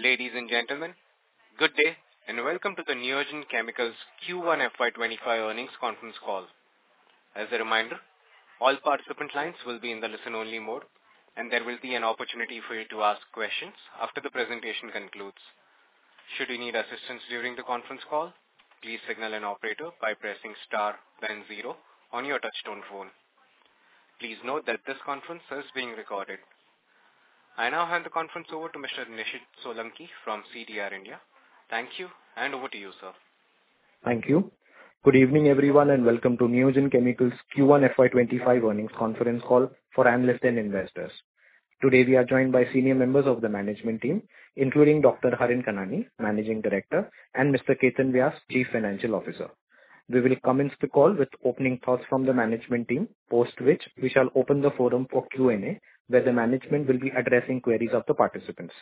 Ladies and gentlemen, good day, and welcome to Neogen Chemicals Q1 FY25 Earnings Conference Call. As a reminder, all participant lines will be in the listen-only mode, and there will be an opportunity for you to ask questions after the presentation concludes. Should you need assistance during the conference call, please signal an operator by pressing star then zero on your touchtone phone. Please note that this conference is being recorded. I now hand the conference over to Mr. Nishid Solanki from CDR India. Thank you, and over to you, sir. Thank you. Good evening, everyone, and welcome to Neogen Chemicals Q1 FY25 Earnings Conference Call for Analysts and Investors. Today, we are joined by senior members of the management team, including Dr. Harin Kanani, Managing Director, and Mr. Ketan Vyas, Chief Financial Officer. We will commence the call with opening thoughts from the management team, post which we shall open the forum for Q&A, where the management will be addressing queries of the participants.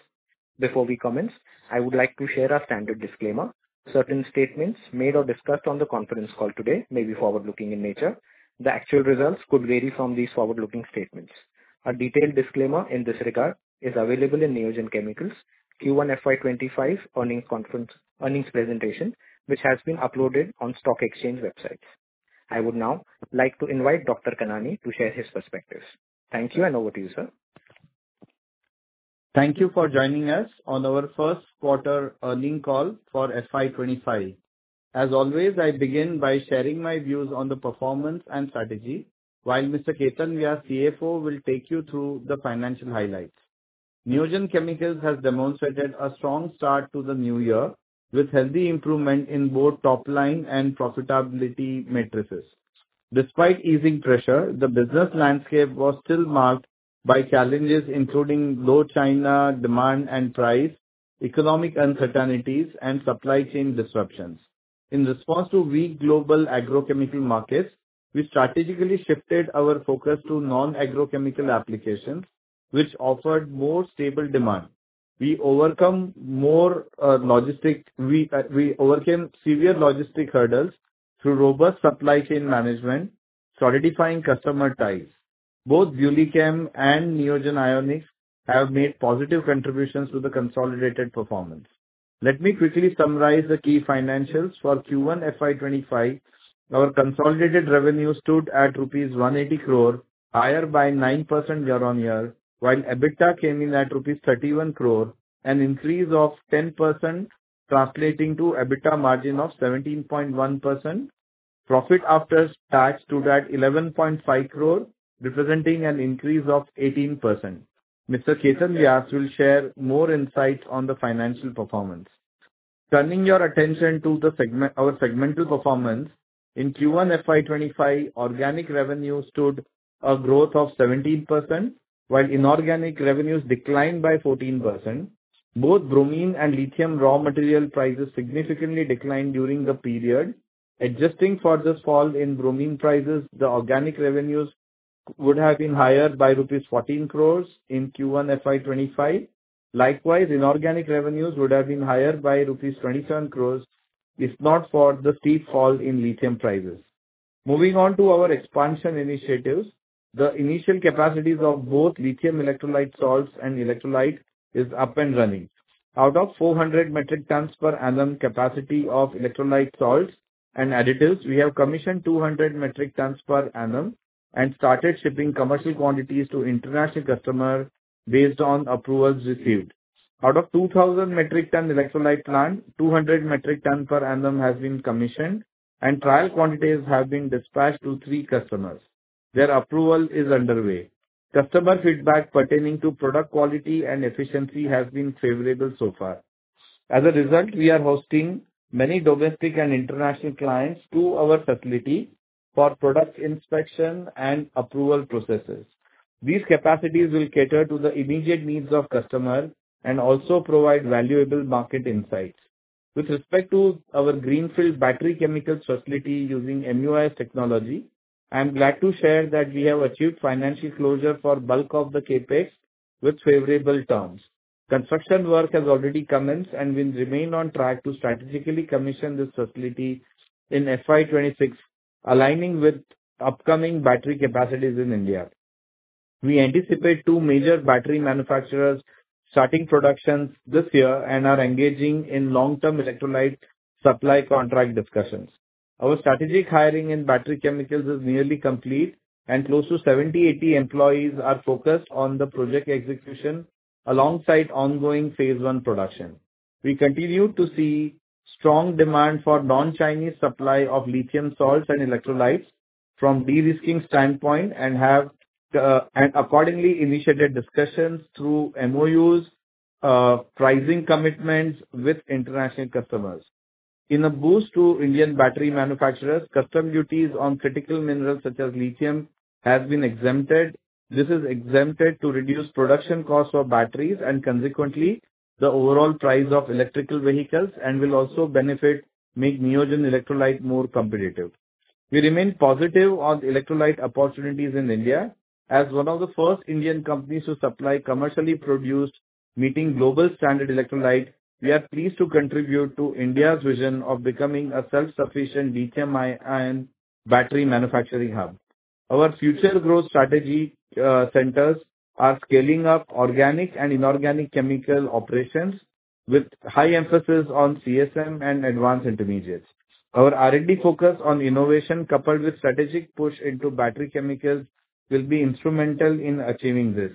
Before we commence, I would like to share our standard disclaimer: Certain statements made or discussed on the conference call today may be forward-looking in nature. The actual results could vary from these forward-looking statements. A detailed disclaimer in this regard is available in Neogen Chemicals Q1 FY 2025 earnings conference, earnings presentation, which has been uploaded on stock exchange websites. I would now like to invite Dr. Kanani to share his perspectives. Thank you, and over to you, sir. Thank you for joining us on our first quarter earnings call for FY 2025. As always, I begin by sharing my views on the performance and strategy, while Mr. Ketan Vyas, CFO, will take you through the financial highlights. Neogen Chemicals has demonstrated a strong start to the new year, with healthy improvement in both top line and profitability matrices. Despite easing pressure, the business landscape was still marked by challenges, including low China demand and price, economic uncertainties, and supply chain disruptions. In response to weak global agrochemical markets, we strategically shifted our focus to non-agrochemical applications, which offered more stable demand. We overcame severe logistic hurdles through robust supply chain management, solidifying customer ties. Both BuLi Chem and Neogen Ionics have made positive contributions to the consolidated performance. Let me quickly summarize the key financials for Q1 FY 2025. Our consolidated revenue stood at rupees 180 crore, higher by 9% year-on-year, while EBITDA came in at rupees 31 crore, an increase of 10%, translating to EBITDA margin of 17.1%. Profit after tax stood at 11.5 crore, representing an increase of 18%. Mr. Ketan Vyas will share more insights on the financial performance. Turning your attention to the segment, our segmental performance, in Q1 FY2025, organic revenue stood a growth of 17%, while inorganic revenues declined by 14%. Both bromine and lithium raw material prices significantly declined during the period. Adjusting for this fall in bromine prices, the organic revenues would have been higher by rupees 14 crores in Q1 FY2025. Likewise, inorganic revenues would have been higher by rupees 27 crores, if not for the steep fall in lithium prices. Moving on to our expansion initiatives, the initial capacities of both lithium electrolyte salts and electrolytes is up and running. Out of 400 metric tons per annum capacity of electrolyte salts and additives, we have commissioned 200 metric tons per annum and started shipping commercial quantities to international customer based on approvals received. Out of 2,000 metric ton electrolyte plant, 200 metric ton per annum has been commissioned, and trial quantities have been dispatched to three customers. Their approval is underway. Customer feedback pertaining to product quality and efficiency has been favorable so far. As a result, we are hosting many domestic and international clients to our facility for product inspection and approval processes. These capacities will cater to the immediate needs of customers and also provide valuable market insights. With respect to our greenfield battery chemicals facility using MUIS technology, I'm glad to share that we have achieved financial closure for bulk of the CapEx with favorable terms. Construction work has already commenced and will remain on track to strategically commission this facility in FY 2026, aligning with upcoming battery capacities in India. We anticipate two major battery manufacturers starting productions this year and are engaging in long-term electrolyte supply contract discussions. Our strategic hiring in battery chemicals is nearly complete, and close to 70-80 employees are focused on the project execution alongside ongoing phase one production. We continue to see strong demand for non-Chinese supply of lithium salts and electrolytes from de-risking standpoint and have and accordingly initiated discussions through MOUs, pricing commitments with international customers. In a boost to Indian battery manufacturers, custom duties on critical minerals such as lithium has been exempted. This is expected to reduce production costs for batteries and consequently, the overall price of electric vehicles, and will also benefit and make Neogen electrolyte more competitive. We remain positive on electrolyte opportunities in India. As one of the first Indian companies to supply commercially produced, meeting global standards electrolyte, we are pleased to contribute to India's vision of becoming a self-sufficient lithium-ion battery manufacturing hub. Our future growth strategy centers on scaling up organic and inorganic chemical operations with high emphasis on CSM and advanced intermediates. Our R&D focus on innovation, coupled with strategic push into battery chemicals, will be instrumental in achieving this.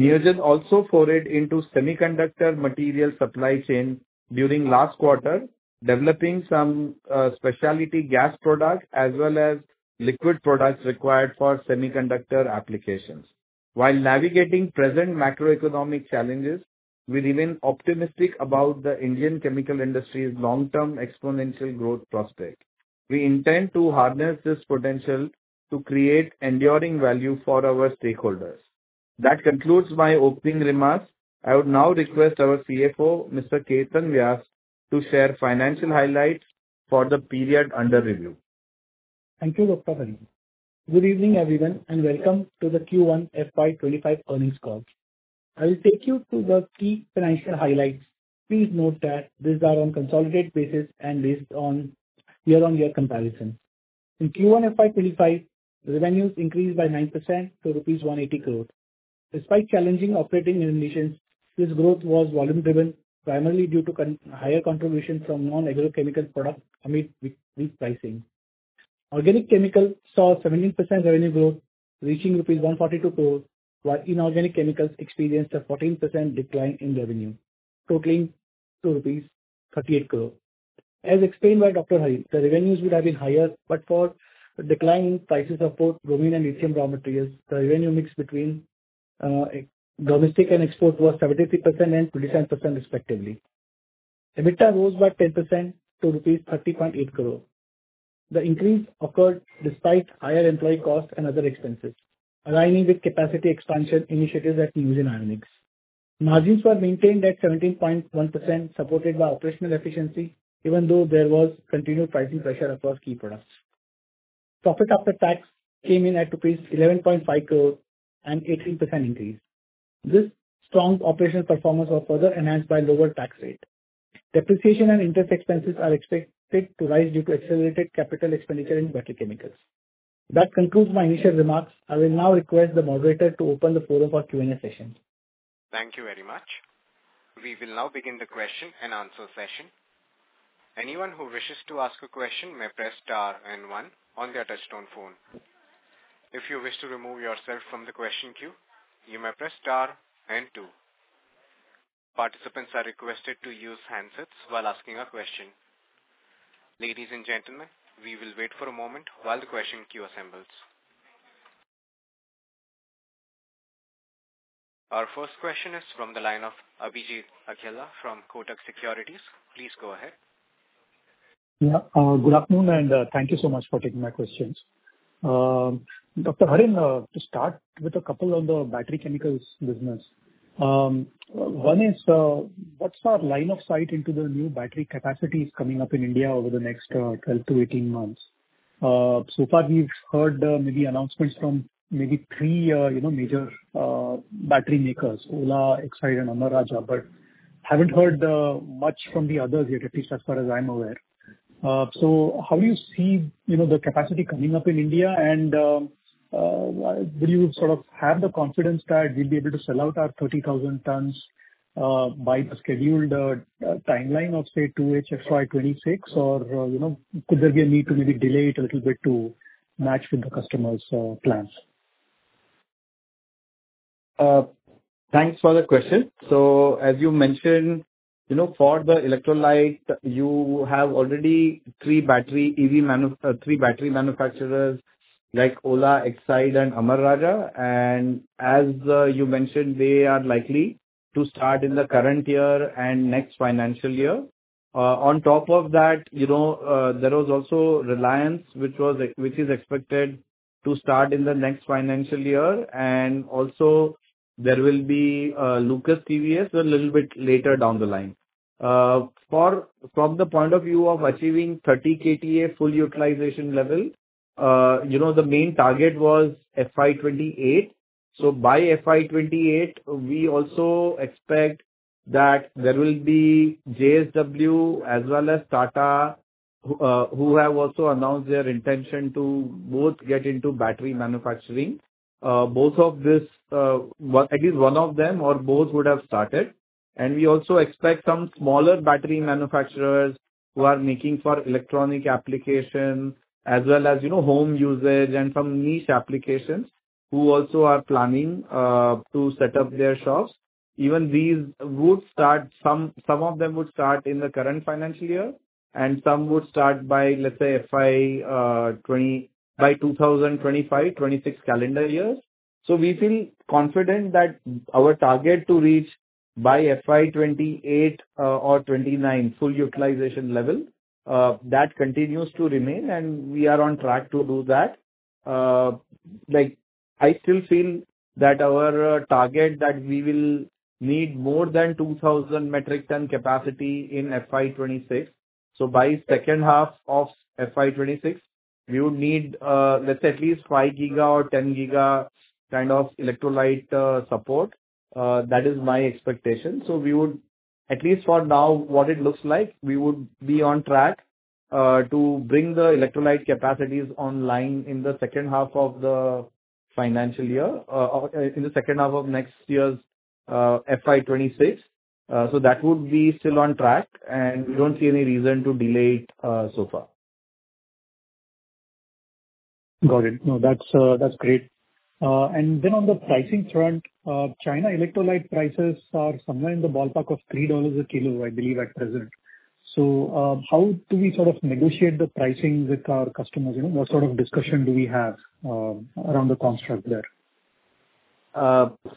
Neogen also forayed into semiconductor material supply chain during last quarter, developing some specialty gas products as well as liquid products required for semiconductor applications. While navigating present macroeconomic challenges, we remain optimistic about the Indian chemical industry's long-term exponential growth prospect. We intend to harness this potential to create enduring value for our stakeholders. That concludes my opening remarks. I would now request our CFO, Mr. Ketan Vyas, to share financial highlights for the period under review. Thank you, Dr. Harin. Good evening, everyone, and welcome to the Q1 FY 2025 earnings call. I will take you through the key financial highlights. Please note that these are on consolidated basis and based on year-on-year comparison. In Q1 FY 2025, revenues increased by 9% to rupees 180 crore. Despite challenging operating conditions, this growth was volume driven, primarily due to higher contribution from non-agrochemical products amid repricing. Organic chemicals saw 17% revenue growth, reaching rupees 142 crore, while inorganic chemicals experienced a 14% decline in revenue, totaling to 38 crore. As explained by Dr. Harin, the revenues would have been higher but for decline in prices of both bromine and lithium raw materials. The revenue mix between domestic and export was 73% and 27% respectively. EBITDA rose by 10% to rupees 30.8 crore. The increase occurred despite higher employee costs and other expenses, aligning with capacity expansion initiatives at Neogen Ionics. Margins were maintained at 17.1%, supported by operational efficiency, even though there was continued pricing pressure across key products. Profit after tax came in at rupees 11.5 crore, an 18% increase. This strong operational performance was further enhanced by lower tax rate. Depreciation and interest expenses are expected to rise due to accelerated capital expenditure in battery chemicals. That concludes my initial remarks. I will now request the moderator to open the forum for Q&A session. Thank you very much. We will now begin the question and answer session. Anyone who wishes to ask a question may press star and one on their touchtone phone. If you wish to remove yourself from the question queue, you may press star and two. Participants are requested to use handsets while asking a question. Ladies and gentlemen, we will wait for a moment while the question queue assembles. Our first question is from the line of Abhijit Akella from Kotak Securities. Please go ahead. Yeah, good afternoon, and, thank you so much for taking my questions. Dr. Harin, to start with a couple on the battery chemicals business. One is, what's our line of sight into the new battery capacities coming up in India over the next, 12 to 18 months? So far, we've heard, maybe announcements from maybe three, you know, major, battery makers, Ola, Exide, and Amara Raja, but haven't heard, much from the others yet, at least as far as I'm aware. So how do you see, you know, the capacity coming up in India and, will you sort of have the confidence that we'll be able to sell out our 30,000 tons, by the scheduled, timeline of, say, 2H FY 2026? Or, you know, could there be a need to maybe delay it a little bit to match with the customers' plans? Thanks for the question. So as you mentioned, you know, for the electrolyte, you have already three battery EV manufacturers like Ola, Exide, and Amara Raja, and as you mentioned, they are likely to start in the current year and next financial year. On top of that, you know, there was also Reliance, which is expected to start in the next financial year, and also there will be Lucas TVS a little bit later down the line. From the point of view of achieving 30 KTA full utilization level, you know, the main target was FY 2028. So by FY 2028, we also expect that there will be JSW as well as Tata, who have also announced their intention to both get into battery manufacturing. Both of this, one - at least one of them or both would have started. And we also expect some smaller battery manufacturers who are making for electronic applications as well as, you know, home usage and some niche applications, who also are planning to set up their shops. Even these would start some, some of them would start in the current financial year, and some would start by, let's say, FY 2025, by 2025, 2026 calendar years. So we feel confident that our target to reach by FY 2028, or 2029, full utilization level, that continues to remain, and we are on track to do that. Like, I still feel that our target, that we will need more than 2,000 metric ton capacity in FY 2026. So by second half of FY 2026, we would need, let's at least 5 giga or 10 G kind of electrolyte support. That is my expectation. So we would at least for now, what it looks like, we would be on track to bring the electrolyte capacities online in the second half of the financial year or in the second half of next year's FY 2026. So that would be still on track, and we don't see any reason to delay it so far. Got it. No, that's, that's great. And then on the pricing front, China electrolyte prices are somewhere in the ballpark of $3 a kilo, I believe, at present. So, how do we sort of negotiate the pricing with our customers? You know, what sort of discussion do we have, around the construct there?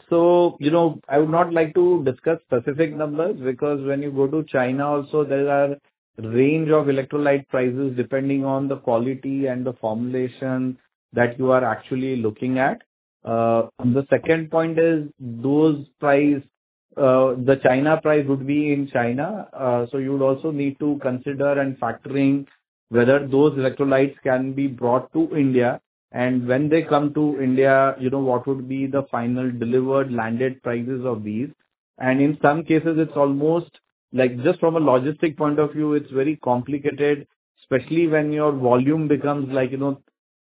So, you know, I would not like to discuss specific numbers, because when you go to China also, there are range of electrolyte prices, depending on the quality and the formulation that you are actually looking at. And the second point is, those prices, the China price would be in China, so you would also need to consider and factoring whether those electrolytes can be brought to India. And when they come to India, you know, what would be the final delivered landed prices of these? And in some cases, it's almost like just from a logistic point of view, it's very complicated, especially when your volume becomes like, you know,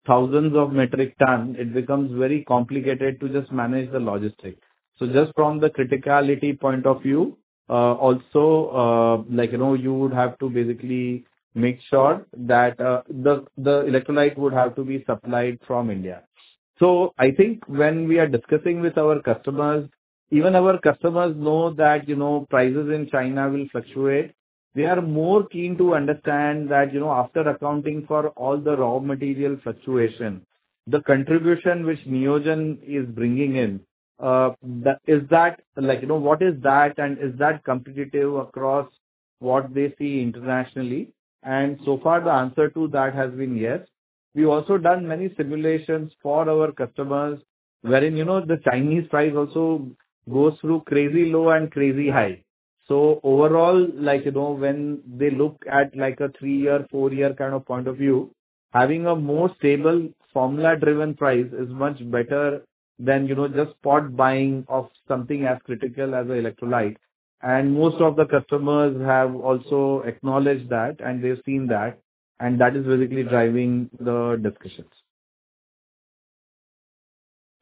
thousands of metric tons. It becomes very complicated to just manage the logistics. So just from the criticality point of view, also, like, you know, you would have to basically make sure that the electrolyte would have to be supplied from India. So I think when we are discussing with our customers, even our customers know that, you know, prices in China will fluctuate. They are more keen to understand that, you know, after accounting for all the raw material fluctuation, the contribution which Neogen is bringing in. Is that, like, you know, what is that? And is that competitive across what they see internationally? And so far, the answer to that has been yes. We've also done many simulations for our customers, wherein, you know, the Chinese price also goes through crazy low and crazy high. So overall, like, you know, when they look at, like, a three-year, four-year kind of point of view, having a more stable, formula-driven price is much better than, you know, just spot buying of something as critical as a electrolyte. And most of the customers have also acknowledged that, and they've seen that, and that is basically driving the discussions.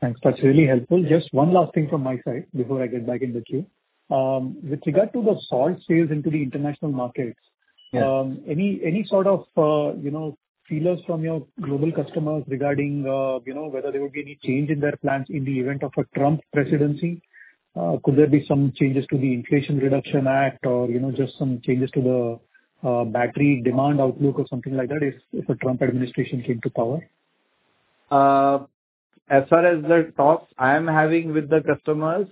Thanks. That's really helpful. Just one last thing from my side before I get back in the queue. With regard to the salt sales into the international markets- Yes. Any sort of, you know, feelers from your global customers regarding, you know, whether there would be any change in their plans in the event of a Trump presidency? Could there be some changes to the Inflation Reduction Act or, you know, just some changes to the battery demand outlook or something like that, if a Trump administration came to power? As far as the talks I am having with the customers,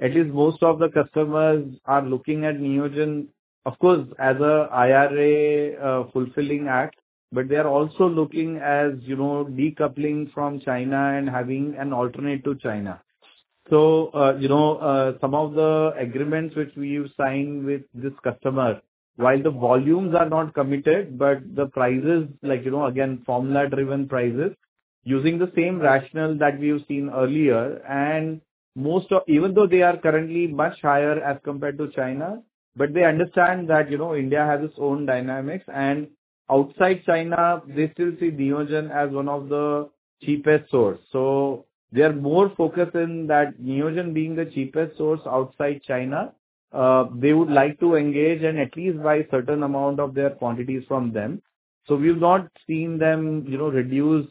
at least most of the customers are looking at Neogen, of course, as a IRA fulfilling act, but they are also looking as, you know, decoupling from China and having an alternate to China. So, you know, some of the agreements which we've signed with this customer, while the volumes are not committed, but the prices, like, you know, again, formula-driven prices, using the same rationale that we have seen earlier. And most of even though they are currently much higher as compared to China, but they understand that, you know, India has its own dynamics. And outside China, they still see Neogen as one of the cheapest source. So they are more focused in that Neogen being the cheapest source outside China, they would like to engage and at least buy certain amount of their quantities from them. So we've not seen them, you know, reduce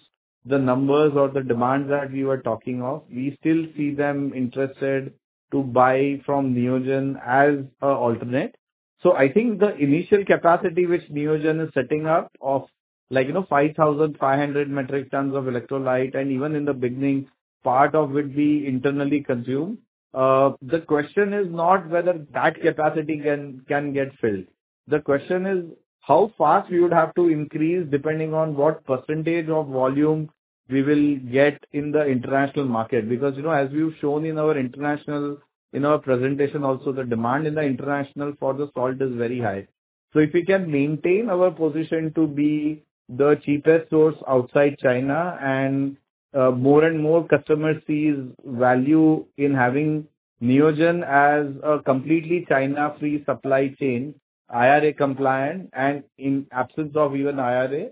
the numbers or the demands that we were talking of. We still see them interested to buy from Neogen as an alternate. So I think the initial capacity which Neogen is setting up of, like, you know, 5,500 metric tons of electrolyte, and even in the beginning, part of it we internally consume. The question is not whether that capacity can get filled, the question is: How fast we would have to increase, depending on what percentage of volume we will get in the international market? Because, you know, as we've shown in our international, in our presentation also, the demand in the international for the salt is very high. So if we can maintain our position to be the cheapest source outside China, and, more and more customers sees value in having Neogen as a completely China-free supply chain, IRA compliant, and in absence of even IRA,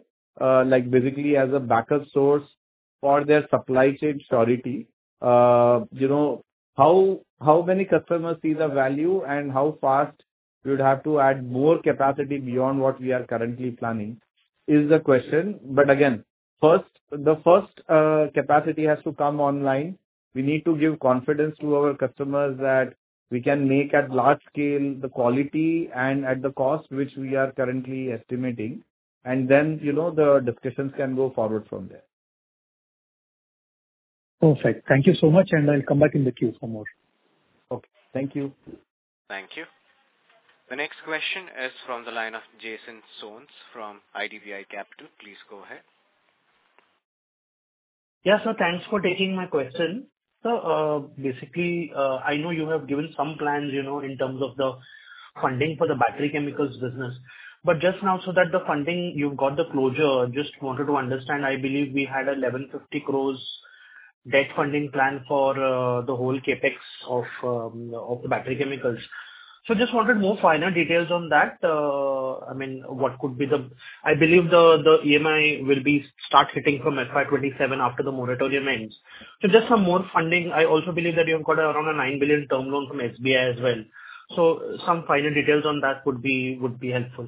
like, basically as a backup source for their supply chain surety. You know, how, how many customers see the value, and how fast we would have to add more capacity beyond what we are currently planning, is the question. But again, first, the first, capacity has to come online. We need to give confidence to our customers that we can make, at large scale, the quality and at the cost which we are currently estimating, and then, you know, the discussions can go forward from there. Perfect. Thank you so much, and I'll come back in the queue for more. Okay. Thank you. Thank you. The next question is from the line of Jason Soans from IDBI Capital. Please go ahead. Yeah, so thanks for taking my question. So, basically, I know you have given some plans, you know, in terms of the funding for the battery chemicals business, but just now, so that the funding you've got the closure, just wanted to understand, I believe we had 1,150 crores debt funding plan for the whole CapEx of the battery chemicals. So just wanted more finer details on that. I mean, what could be the I believe the, the EMI will be start hitting from FY 2027 after the moratorium ends. So just some more funding. I also believe that you've got around 9 billion term loan from SBI as well. So some finer details on that would be, would be helpful.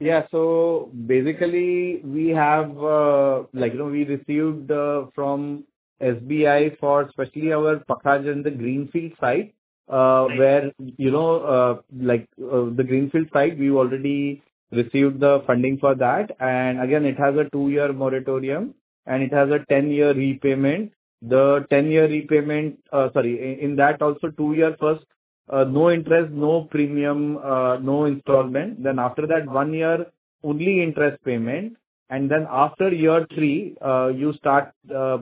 Yeah. So basically, we have, like, you know, we received from SBI for especially our Pakhajan and the greenfield site, where, you know, like, the greenfield site, we already received the funding for that. And again, it has a 2-year moratorium, and it has a 10-year repayment. The 10-year repayment, sorry, in that also 2 years first, no interest, no premium, no installment. Then after that, 1 year, only interest payment. And then after year 3, you start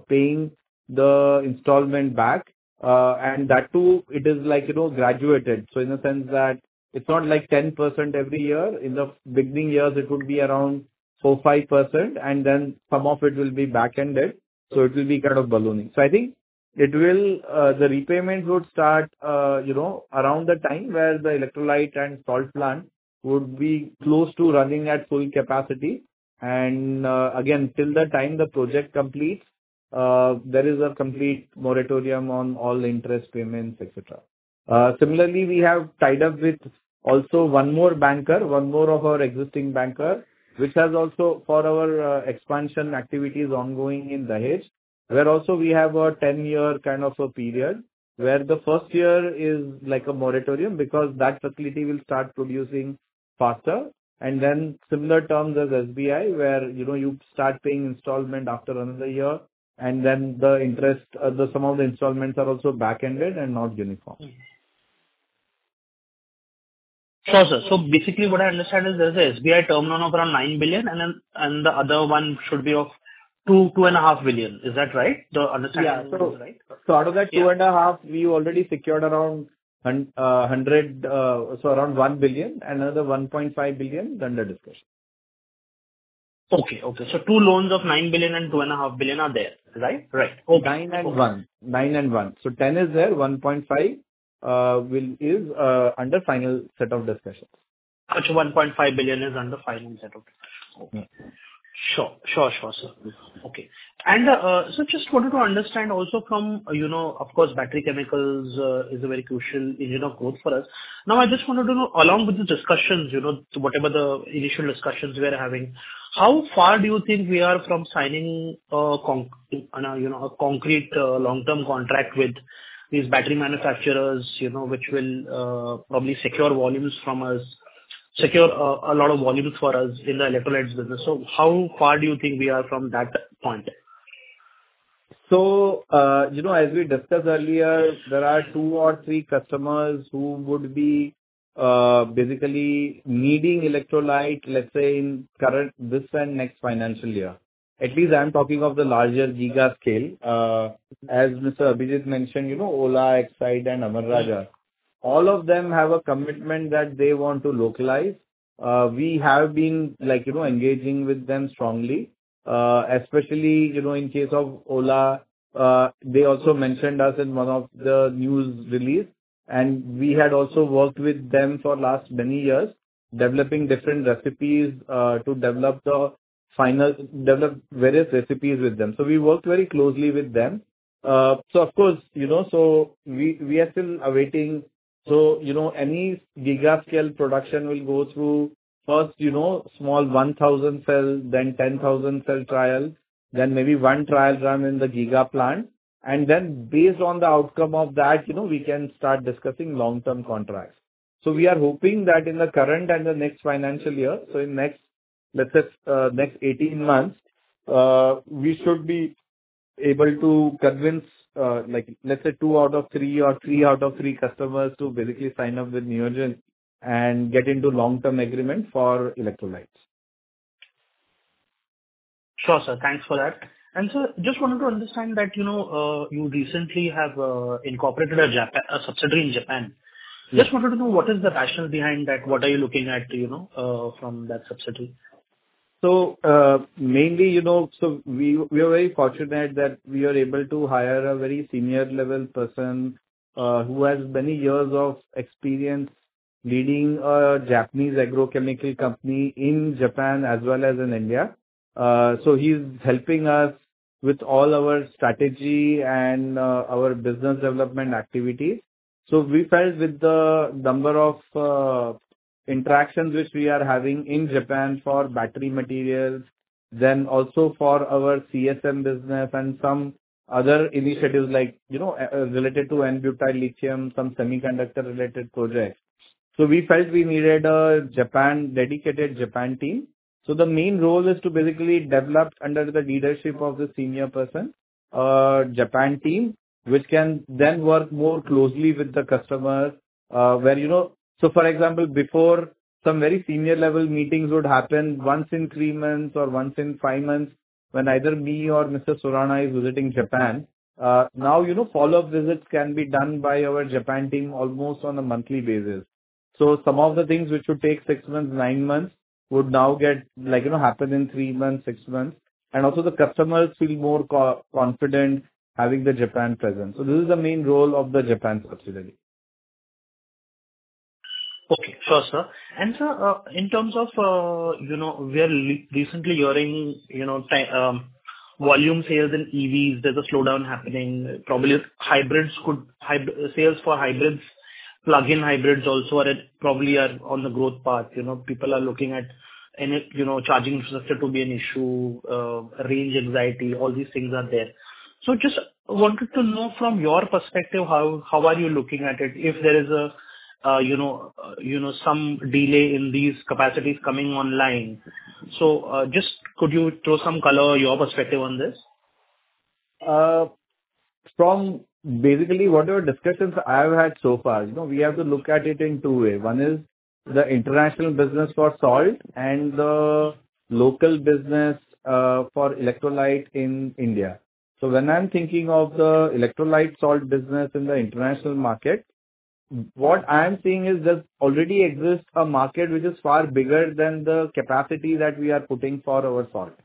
paying the installment back, and that, too, it is like, you know, graduated. So in the sense that it's not like 10% every year. In the beginning years, it would be around 4-5%, and then some of it will be backended, so it will be kind of ballooning. So I think it will, the repayment would start, you know, around the time where the electrolyte and salt plant would be close to running at full capacity. And, again, till the time the project completes, there is a complete moratorium on all interest payments, et cetera. Similarly, we have tied up with also one more banker, one more of our existing banker, which has also for our, expansion activities ongoing in Dahej, where also we have a 10-year kind of a period, where the first year is like a moratorium, because that facility will start producing faster. And then similar terms as SBI, where, you know, you start paying installment after another year, and then the interest, the some of the installments are also backended and not uniform. Sure, sir. So basically, what I understand is there's a SBI term loan of around 9 billion, and then, and the other one should be of 2 billion-2.5 billion. Is that right? The understanding, right? Yeah. Out of that 2.5, we already secured around 100, so around 1 billion, another 1.5 billion under discussion. Okay, okay. 2 loans of 9 billion and 2.5 billion are there, right? Right. Okay. 9 and 1. 9 and 1. So 10 is there, 1.5 will, is, under final set of discussions. Got you. 1.5 billion is under final set of discussions. Mm-hmm. Okay. Sure. Sure, sure, sir. Mm-hmm. Okay. And so just wanted to understand also from, you know, of course, battery chemicals is a very crucial engine of growth for us. Now, I just wanted to know, along with the discussions, you know, whatever the initial discussions we are having, how far do you think we are from signing a concrete long-term contract with these battery manufacturers, you know, which will probably secure volumes from us, a lot of volumes for us in the electrolytes business? So how far do you think we are from that point? So, you know, as we discussed earlier, there are two or three customers who would be, basically needing electrolyte, let's say, in current, this and next financial year. At least I'm talking of the larger giga scale, as Mr. Abhijit mentioned, you know, Ola, Exide, and Amara Raja. All of them have a commitment that they want to localize. We have been like, you know, engaging with them strongly, especially, you know, in case of Ola, they also mentioned us in one of the news release. Yeah. We had also worked with them for last many years, developing different recipes to develop various recipes with them. So we worked very closely with them. So of course, you know, so we are still awaiting. So, you know, any Giga Scale production will go through first, you know, small 1,000-cell, then 10,000-cell trial, then maybe one trial run in the Giga plant, and then based on the outcome of that, you know, we can start discussing long-term contracts. So we are hoping that in the current and the next financial year, so in next, let's say, next 18 months, we should be able to convince, like, let's say 2 out of 3 or 3 out of 3 customers to basically sign up with Neogen and get into long-term agreement for electrolytes. Sure, sir. Thanks for that. Sir, just wanted to understand that, you know, you recently have incorporated a subsidiary in Japan. Mm-hmm. Just wanted to know, what is the rationale behind that? What are you looking at, you know, from that subsidiary? So, mainly, you know, so we, we are very fortunate that we are able to hire a very senior level person, who has many years of experience leading a Japanese agrochemical company in Japan as well as in India. So he's helping us with all our strategy and, our business development activities. So we felt with the number of, interactions which we are having in Japan for battery materials, then also for our CSM business and some other initiatives like, you know, related to n-butyllithium, some semiconductor-related projects. So we felt we needed a dedicated Japan team. So the main role is to basically develop, under the leadership of the senior person, Japan team, which can then work more closely with the customers, where, you know. So for example, before, some very senior level meetings would happen once in three months or once in five months when either me or Mr. Surana is visiting Japan. Now, you know, follow-up visits can be done by our Japan team almost on a monthly basis. So some of the things which would take six months, nine months, would now get, like, you know, happen in three months, six months. And also the customers feel more confident having the Japan presence. So this is the main role of the Japan subsidiary. Okay. Sure, sir. And, sir, in terms of, you know, we are recently hearing, you know, the volume sales in EVs, there's a slowdown happening. Probably, hybrid sales for hybrids, plug-in hybrids also are, probably, on the growth path, you know. People are looking at it, you know, charging infrastructure to be an issue, range anxiety, all these things are there. So just wanted to know from your perspective, how are you looking at it, if there is a, you know, some delay in these capacities coming online? So, just could you throw some color, your perspective on this? From basically what are discussions I have had so far, you know, we have to look at it in two way. One is the international business for salt and the local business, for electrolyte in India. So when I'm thinking of the electrolyte salt business in the international market, what I'm seeing is there already exists a market which is far bigger than the capacity that we are putting for our salt.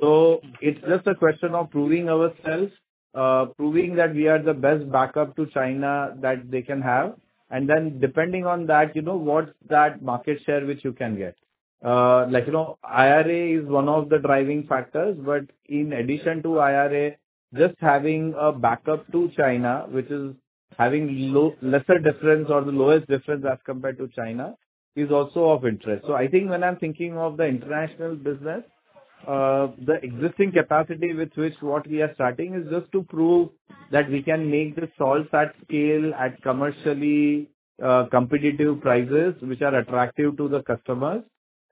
So it's just a question of proving ourselves, proving that we are the best backup to China that they can have, and then depending on that, you know, what's that market share which you can get. Like, you know, IRA is one of the driving factors, but in addition to IRA, just having a backup to China, which is having low, lesser difference or the lowest difference as compared to China, is also of interest. So I think when I'm thinking of the international business, the existing capacity with which what we are starting is just to prove that we can make the salt at scale, at commercially, competitive prices, which are attractive to the customers.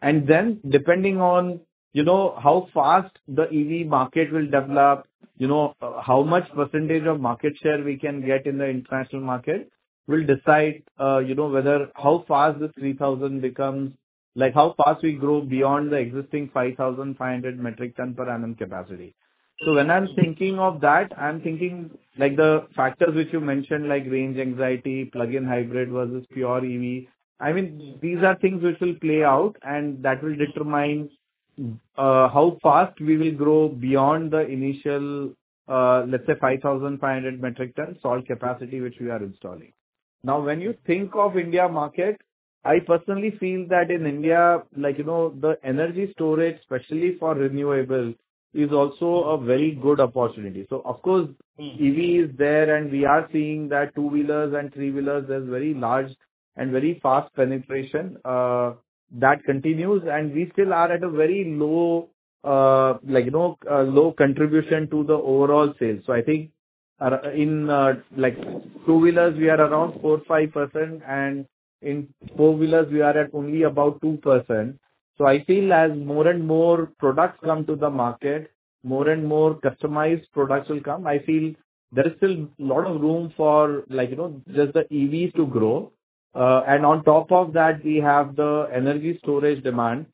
And then, depending on, you know, how fast the EV market will develop, you know, how much percentage of market share we can get in the international market, will decide, you know, whether how fast the 3,000 becomes.. Like, how fast we grow beyond the existing 5,500 metric per annum capacity. So when I'm thinking of that, I'm thinking, like, the factors which you mentioned, like range anxiety, plug-in hybrid versus pure EV, I mean, these are things which will play out, and that will determine how fast we will grow beyond the initial, let's say, 5,500 metric ton salt capacity, which we are installing. Now, when you think of India market, I personally feel that in India, like, you know, the energy storage, especially for renewables, is also a very good opportunity. So of course, EV is there, and we are seeing that two-wheelers and three-wheelers, there's very large and very fast penetration that continues. And we still are at a very low, like, you know, low contribution to the overall sales. So I think, in like two-wheelers, we are around 4%-5%, and in four-wheelers, we are at only about 2%. So I feel as more and more products come to the market, more and more customized products will come. I feel there is still a lot of room for, like, you know, just the EVs to grow. And on top of that, we have the energy storage demand.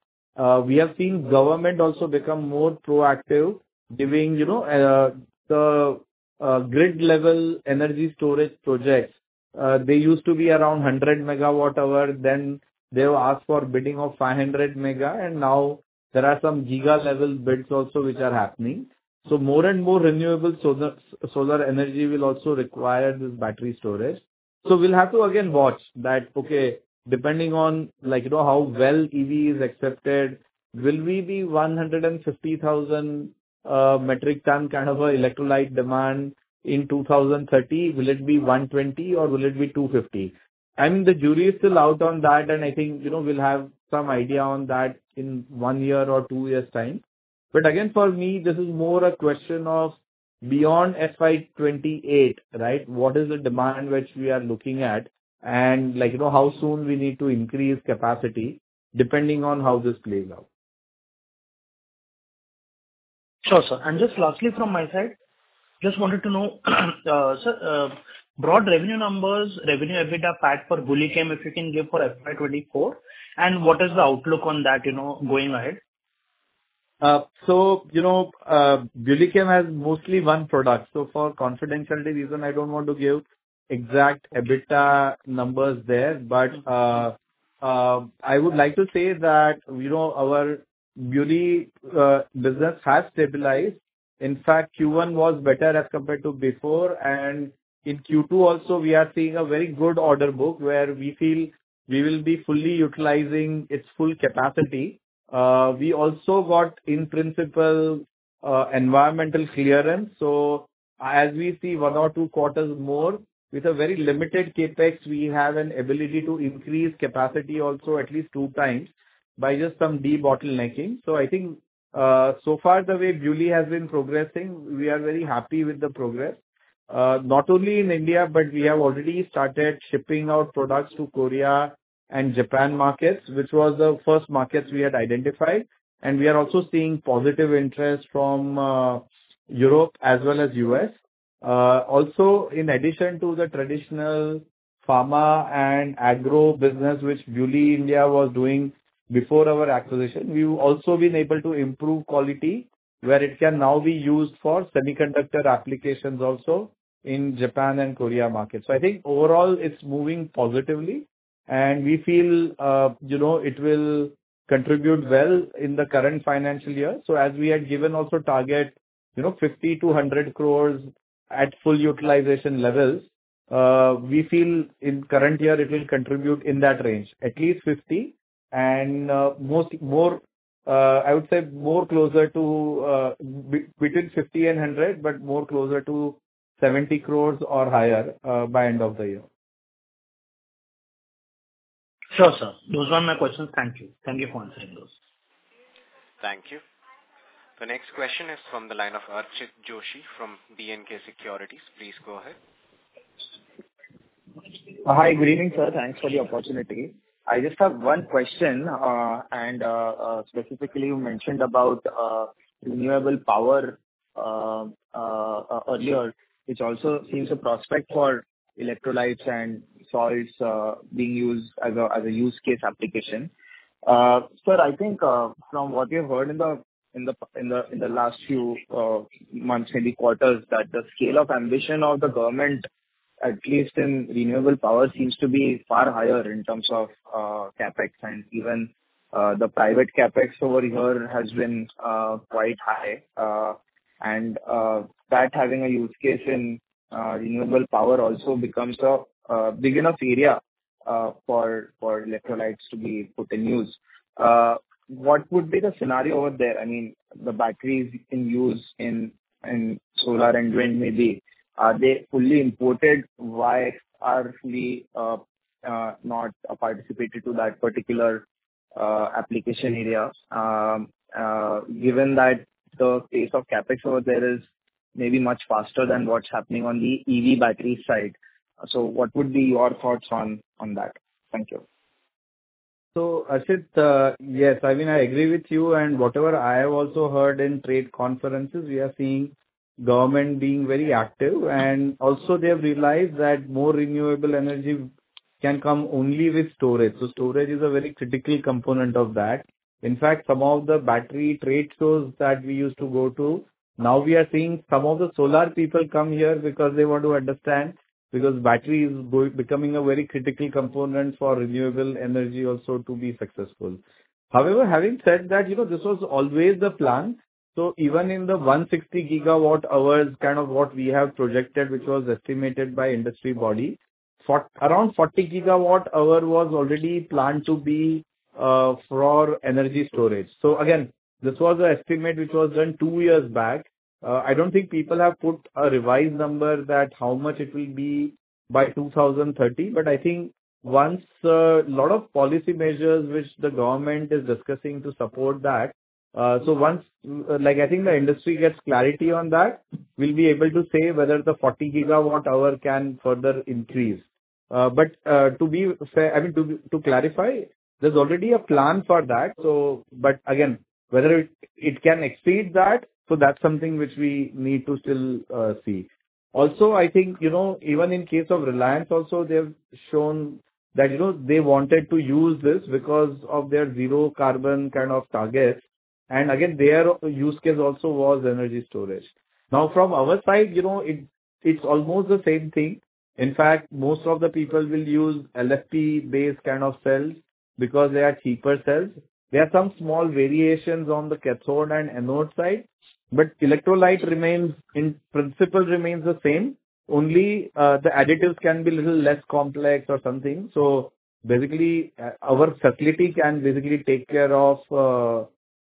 We have seen government also become more proactive giving, you know, the grid-level energy storage projects. They used to be around 100 MWh, then they would ask for bidding of 500 MW, and now there are some GWh-level bids also, which are happening. So more and more renewable solar, solar energy will also require this battery storage. So we'll have to again watch that, okay, depending on, like, you know, how well EV is accepted, will we be 150,000 metric ton kind of a electrolyte demand in 2030? Will it be 120 or will it be 250? And the jury is still out on that, and I think, you know, we'll have some idea on that in one year or two years' time. But again, for me, this is more a question of beyond FY 2028, right? What is the demand which we are looking at, and, like, you know, how soon we need to increase capacity, depending on how this plays out. Sure, sir. And just lastly from my side, just wanted to know, sir, broad revenue numbers, revenue EBITDA PAT for BuLi Chem, if you can give for FY 2024, and what is the outlook on that, you know, going ahead? So, you know, BuLi Chem has mostly one product. So for confidentiality reason, I don't want to give exact EBITDA numbers there. But, I would like to say that, you know, our BuLi business has stabilized. In fact, Q1 was better as compared to before, and in Q2 also, we are seeing a very good order book, where we feel we will be fully utilizing its full capacity. We also got, in principle, environmental clearance, so as we see one or two quarters more, with a very limited CapEx, we have an ability to increase capacity also at least two times by just some debottlenecking. So I think, so far, the way BuLi has been progressing, we are very happy with the progress, not only in India, but we have already started shipping our products to Korea and Japan markets, which was the first markets we had identified, and we are also seeing positive interest from, Europe as well as US. Also, in addition to the traditional pharma and agro business, which BuLi India was doing before our acquisition, we've also been able to improve quality, where it can now be used for semiconductor applications also in Japan and Korea market. So I think overall, it's moving positively, and we feel, you know, it will contribute well in the current financial year. As we had given also target, you know, 50-100 crores at full utilization levels, we feel in current year it will contribute in that range, at least 50 and more, I would say more closer to between 50 and 100, but more closer to 70 crores or higher by end of the year. Sure, sir. Those were my questions. Thank you. Thank you for answering those. Thank you. The next question is from the line of Archit Joshi from B&K Securities. Please go ahead. Hi, good evening, sir. Thanks for the opportunity. I just have one question, and specifically, you mentioned about renewable power earlier, which also seems a prospect for electrolytes and salts being used as a use case application. Sir, I think from what we have heard in the last few months, maybe quarters, that the scale of ambition of the government, at least in renewable power, seems to be far higher in terms of CapEx. And even the private CapEx over here has been quite high, and that having a use case in renewable power also becomes a big enough area for electrolytes to be put in use. What would be the scenario over there? I mean, the batteries in use in solar and wind maybe, are they fully imported? Why are we not participating in that particular application area? Given that the pace of CapEx over there is maybe much faster than what's happening on the EV battery side. So what would be your thoughts on that? Thank you. So, Archit, yes, I mean, I agree with you, and whatever I have also heard in trade conferences, we are seeing government being very active, and also they have realized that more renewable energy can come only with storage. So storage is a very critical component of that. In fact, some of the battery trade shows that we used to go to, now we are seeing some of the solar people come here because they want to understand, because battery is becoming a very critical component for renewable energy also to be successful. However, having said that, you know, this was always the plan. So even in the 160 GWh, kind of what we have projected, which was estimated by industry body, for around 40 GWh was already planned to be, for energy storage. So again, this was an estimate which was done two years back. I don't think people have put a revised number that how much it will be by 2030. But I think once, lot of policy measures which the government is discussing to support that, so once, like I think the industry gets clarity on that, we'll be able to say whether the 40 gigawatt hour can further increase. But, to be fair... I mean, to clarify, there's already a plan for that, so, but again, whether it can exceed that, so that's something which we need to still see. Also, I think, you know, even in case of Reliance also, they have shown that, you know, they wanted to use this because of their zero carbon kind of target, and again, their use case also was energy storage. Now, from our side, you know, it, it's almost the same thing. In fact, most of the people will use LFP-based kind of cells because they are cheaper cells. There are some small variations on the cathode and anode side, but electrolyte remains, in principle, remains the same, only, the additives can be a little less complex or something.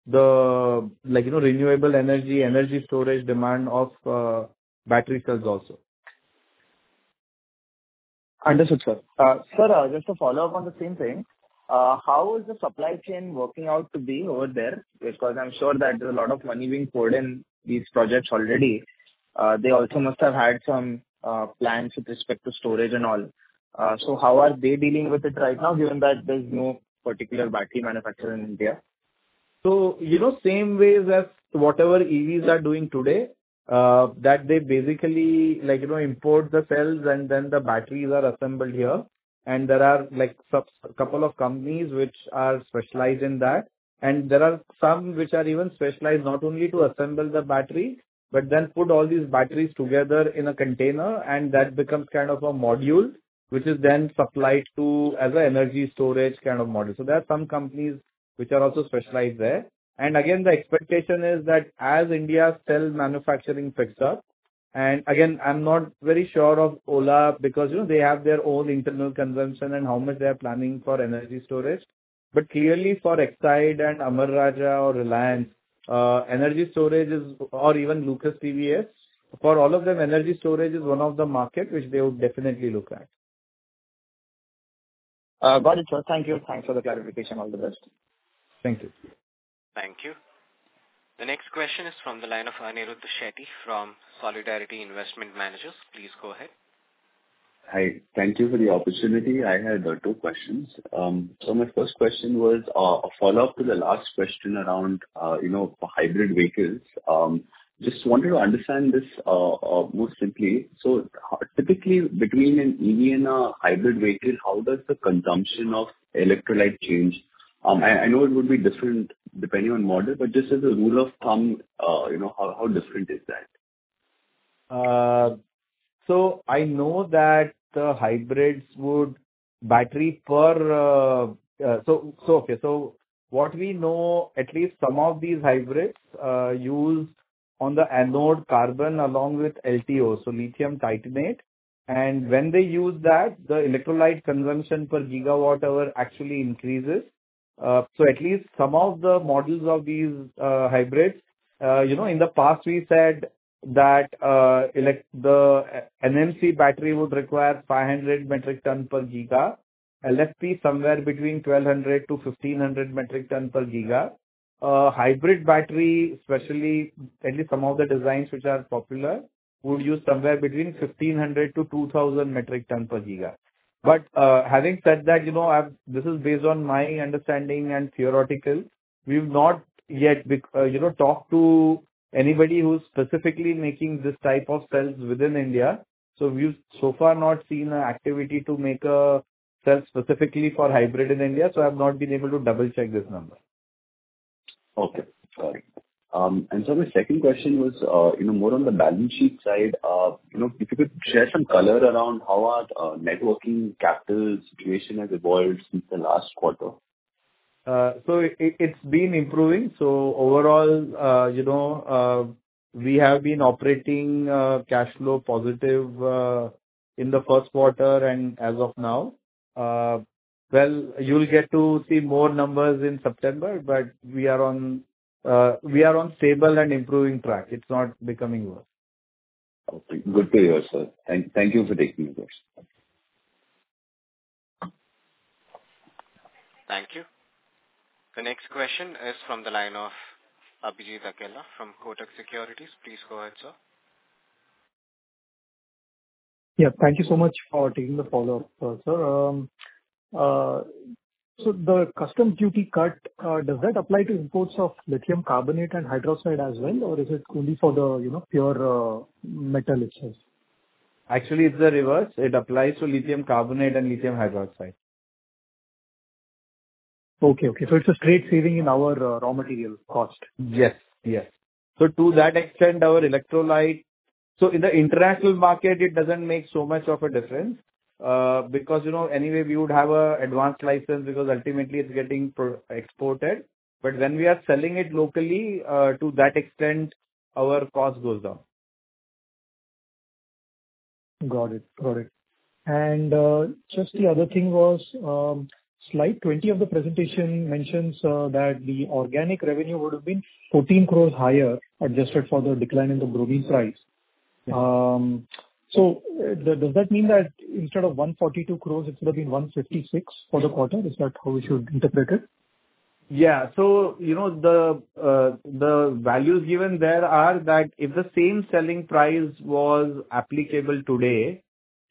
So basically, our facility can basically take care of, like, you know, renewable energy, energy storage, demand of battery cells also. Understood, sir. Sir, just to follow up on the same thing, how is the supply chain working out to be over there? Because I'm sure that there's a lot of money being poured in these projects already. They also must have had some plans with respect to storage and all. So how are they dealing with it right now, given that there's no particular battery manufacturer in India? So, you know, same way as whatever EVs are doing today, that they basically, like, you know, import the cells and then the batteries are assembled here. And there are, like, some couple of companies which are specialized in that, and there are some which are even specialized not only to assemble the battery, but then put all these batteries together in a container, and that becomes kind of a module, which is then supplied to as a energy storage kind of module. So th ere are some companies which are also specialized there. And again, the expectation is that as India's cell manufacturing picks up, and again, I'm not very sure of Ola, because, you know, they have their own internal consumption and how much they are planning for energy storage. But clearly for Exide and Amara Raja or Reliance, energy storage is or even Lucas TVS, for all of them, energy storage is one of the market which they will definitely look at. Got it, sir. Thank you, and thanks for the clarification. All the best. Thank you. Thank you. The next question is from the line of Anirudh Shetty from Solidarity Investment Managers. Please go ahead. Hi. Thank you for the opportunity. I had two questions. So my first question was a follow-up to the last question around you know for hybrid vehicles. Just wanted to understand this more simply. So typically, between an EV and a hybrid vehicle, how does the consumption of electrolyte change? I know it would be different depending on model, but just as a rule of thumb, you know, how different is that? So, what we know, at least some of these hybrids use on the anode carbon along with LTO, so lithium titanate. And when they use that, the electrolyte consumption per gigawatt hour actually increases. So, at least some of the models of these hybrids, you know, in the past we said that the NMC battery would require 500 metric ton per giga, LFP, somewhere between 1,200-1,500 metric ton per giga. Hybrid battery, especially at least some of the designs which are popular, would use somewhere between 1,500-2,000 metric ton per giga. But, having said that, you know, I've-- this is based on my understanding and theoretical. We've not yet been, you know, talked to anybody who's specifically making this type of cells within India. So we've so far not seen an activity to make a cell specifically for hybrid in India, so I've not been able to double-check this number. Okay, got it. And so my second question was, you know, more on the balance sheet side. You know, if you could share some color around how our working capital situation has evolved since the last quarter. It's been improving. So overall, you know, we have been operating cash flow positive in the first quarter and as of now. Well, you'll get to see more numbers in September, but we are on, we are on stable and improving track. It's not becoming worse. Okay. Good to hear, sir. Thank you for taking the questions. Thank you. The next question is from the line of Abhijit Akella from Kotak Securities. Please go ahead, sir. Yeah, thank you so much for taking the follow-up, sir. So the customs duty cut, does that apply to imports of lithium carbonate and hydroxide as well, or is it only for the, you know, pure metal itself? Actually, it's the reverse. It applies to lithium carbonate and lithium hydroxide. Okay, okay. So it's a great saving in our raw material cost? Yes, yes. So to that extent, our electrolyte... So in the international market, it doesn't make so much of a difference, because, you know, anyway, we would have an advanced license because ultimately it's getting exported. But when we are selling it locally, to that extent, our cost goes down. Got it. Got it. And just the other thing was, slide 20 of the presentation mentions that the organic revenue would have been 14 crore higher, adjusted for the decline in the bromine price. Yeah. So, does that mean that instead of 142 crore, it would have been 156 crore for the quarter? Yeah. Is that how we should interpret it? Yeah. So, you know, the, the values given there are that if the same selling price was applicable today,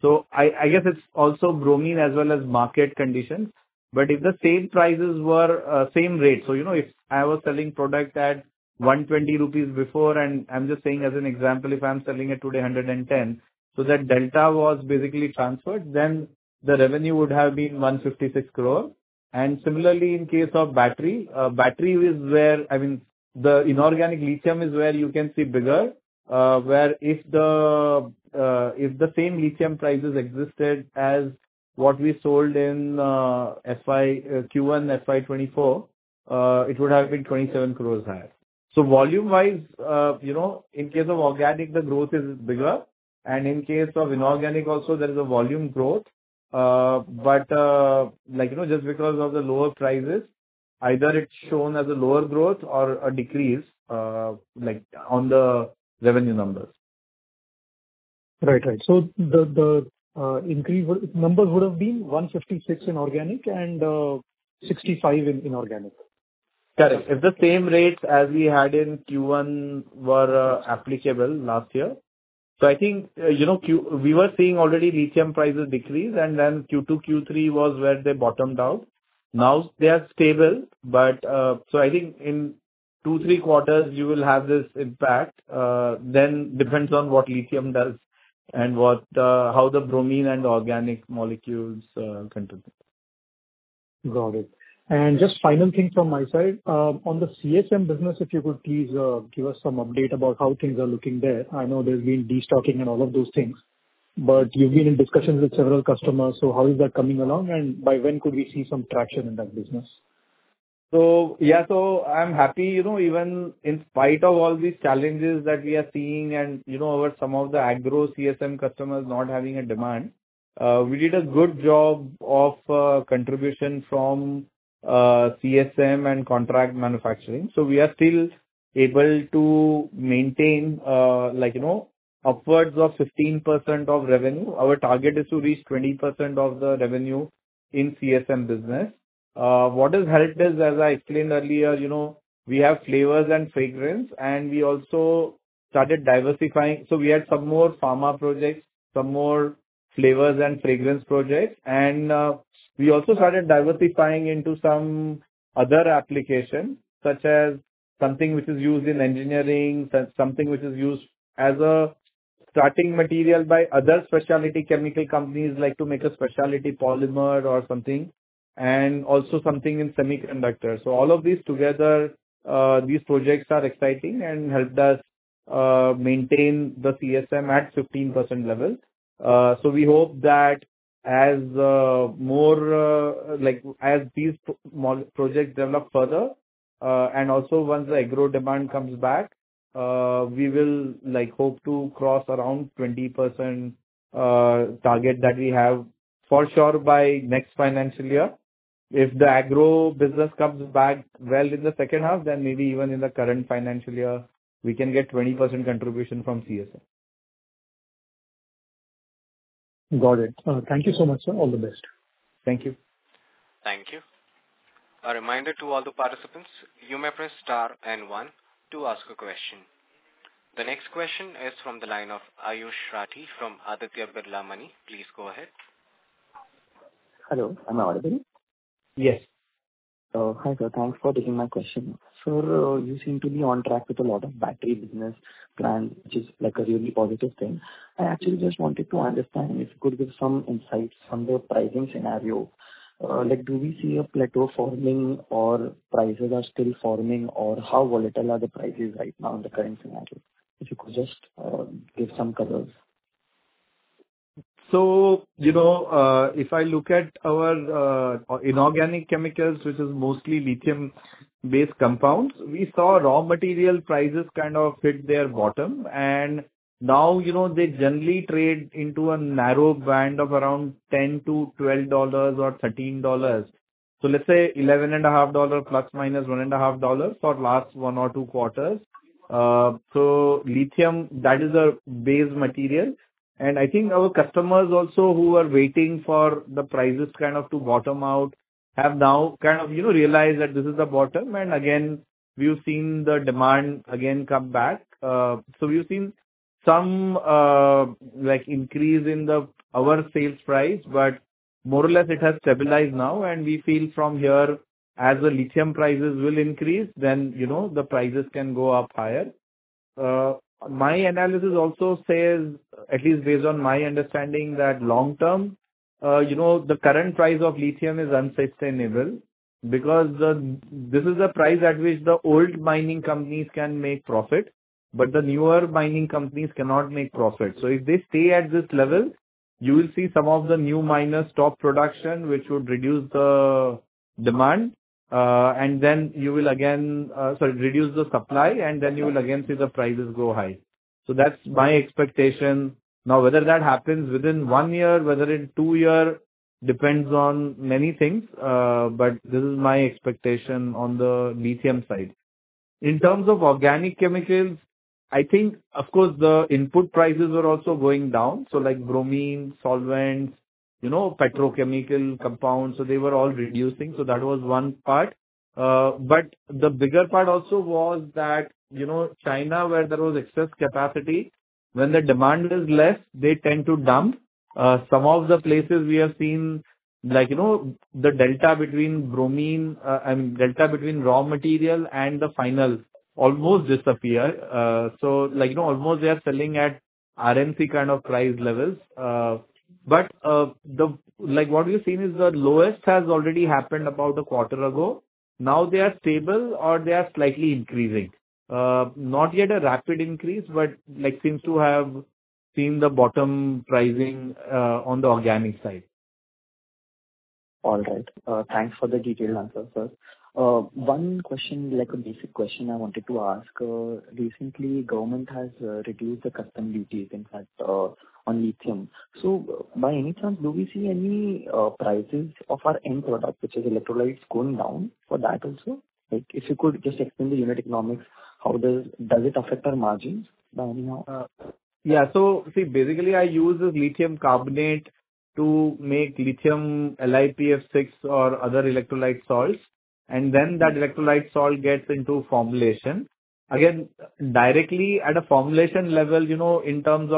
so I, I guess it's also bromine as well as market conditions. But if the same prices were, same rate, so, you know, if I was selling product at 120 rupees before, and I'm just saying as an example, if I'm selling it today at 110, so that delta was basically transferred, then the revenue would have been 156 crore. And similarly, in case of battery, battery is where, I mean, the inorganic lithium is where you can see bigger. Where if the, if the same lithium prices existed as what we sold in, FY, Q1, FY 2024, it would have been 27 crore higher. So volume-wise, you know, in case of organic, the growth is bigger, and in case of inorganic also, there is a volume growth. But, like, you know, just because of the lower prices, either it's shown as a lower growth or a decrease, like, on the revenue numbers. Right. Right. So the increase numbers would have been 156 in organic and 65 in inorganic? Correct. If the same rates as we had in Q1 were applicable last year. So I think, you know, we were seeing already lithium prices decrease, and then Q2, Q3 was where they bottomed out. Now they are stable, but, so I think in 2, 3 quarters, you will have this impact. Then depends on what lithium does and what, how the bromine and organic molecules contribute. Got it. Yeah. Just final thing from my side. On the CSM business, if you could please give us some update about how things are looking there. I know there's been destocking and all of those things, but you've been in discussions with several customers, so how is that coming along, and by when could we see some traction in that business? So yeah, so I'm happy. You know, even in spite of all these challenges that we are seeing and, you know, over some of the agro CSM customers not having a demand, we did a good job of contribution from CSM and contract manufacturing. So we are still able to maintain, like, you know, upwards of 15% of revenue. Our target is to reach 20% of the revenue in CSM business. What has helped us, as I explained earlier, you know, we have flavors and fragrance, and we also started diversifying. So we had some more pharma projects, some more flavors and fragrance projects. And we also started diversifying into some other applications, such as something which is used in engineering, so something which is used as a-... starting material by other specialty chemical companies, like to make a specialty polymer or something, and also something in semiconductors. So all of these together, these projects are exciting and helped us maintain the CSM at 15% level. So we hope that as more, like, as these small projects develop further, and also once the agro demand comes back, we will, like, hope to cross around 20%, target that we have, for sure by next financial year. If the agro business comes back well in the second half, then maybe even in the current financial year, we can get 20% contribution from CSM. Got it. Thank you so much, sir. All the best. Thank you. Thank you. A reminder to all the participants, you may press star and one to ask a question. The next question is from the line of Aayush Rathi from Aditya Birla Money. Please go ahead. Hello, am I audible? Yes. Oh, hi, sir. Thanks for taking my question. Sir, you seem to be on track with a lot of battery business plans, which is, like, a really positive thing. I actually just wanted to understand if you could give some insights on the pricing scenario. Like, do we see a plateau forming or prices are still forming, or how volatile are the prices right now in the current scenario? If you could just give some colors. So, you know, if I look at our inorganic chemicals, which is mostly lithium-based compounds, we saw raw material prices kind of hit their bottom. And now, you know, they generally trade into a narrow band of around $10-$12 or $13. So let's say $11.5, ±$1.5 for last 1 or 2 quarters. So lithium, that is our base material. And I think our customers also, who were waiting for the prices kind of to bottom out, have now kind of, you know, realized that this is the bottom, and again, we've seen the demand again come back. So we've seen some, like, increase in our sales price, but more or less it has stabilized now. We feel from here, as the lithium prices will increase, then, you know, the prices can go up higher. My analysis also says, at least based on my understanding, that long term, you know, the current price of lithium is unsustainable because the, this is the price at which the old mining companies can make profit, but the newer mining companies cannot make profit. So if they stay at this level, you will see some of the new miners stop production, which would reduce the demand, and then you will again... Sorry, reduce the supply, and then you will again see the prices go high. So that's my expectation. Now, whether that happens within one year, whether in two year, depends on many things, but this is my expectation on the lithium side. In terms of organic chemicals, I think, of course, the input prices were also going down, so, like, bromine, solvents, you know, petrochemical compounds, so they were all reducing, so that was one part. But the bigger part also was that, you know, China, where there was excess capacity, when the demand is less, they tend to dump. Some of the places we have seen, like, you know, the delta between bromine, I mean, delta between raw material and the final almost disappear. So, like, you know, almost they are selling at RMP kind of price levels. But, the, like, what we've seen is the lowest has already happened about a quarter ago. Now they are stable or they are slightly increasing. Not yet a rapid increase, but, like, seems to have seen the bottom pricing, on the organic side. All right. Thanks for the detailed answer, sir. One question, like a basic question I wanted to ask: Recently, government has reduced the customs duties impact on lithium. So by any chance, do we see any prices of our end product, which is electrolytes, going down for that also? Like, if you could just explain the unit economics, how does it affect our margins by anyhow? Yeah. So see, basically, I use lithium carbonate to make lithium LiPF6 or other electrolyte salts, and then that electrolyte salt gets into formulation. Again, directly at a formulation level, you know, in terms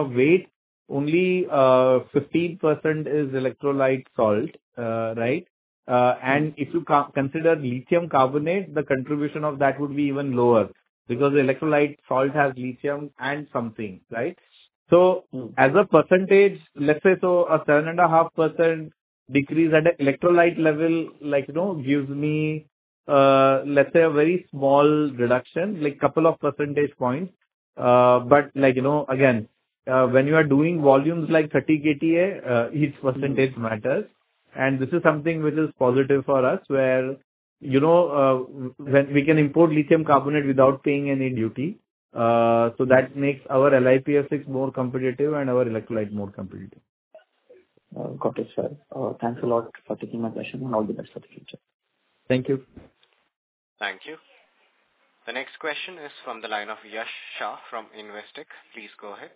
of weight, only 15% is electrolyte salt, right? And if you consider lithium carbonate, the contribution of that would be even lower, because the electrolyte salt has lithium and something, right? So- Mm. As a percentage, let's say so a 7.5% decrease at an electrolyte level, like, you know, gives me, let's say a very small reduction, like couple of percentage points. But, like, you know, again, when you are doing volumes like 30 KTA, each percentage matters. And this is something which is positive for us, where, you know, when we can import lithium carbonate without paying any duty, so that makes our LiPF6 more competitive and our electrolyte more competitive. Got it, sir. Thanks a lot for taking my question, and all the best for the future. Thank you. Thank you. The next question is from the line of Yash Shah from Investec. Please go ahead.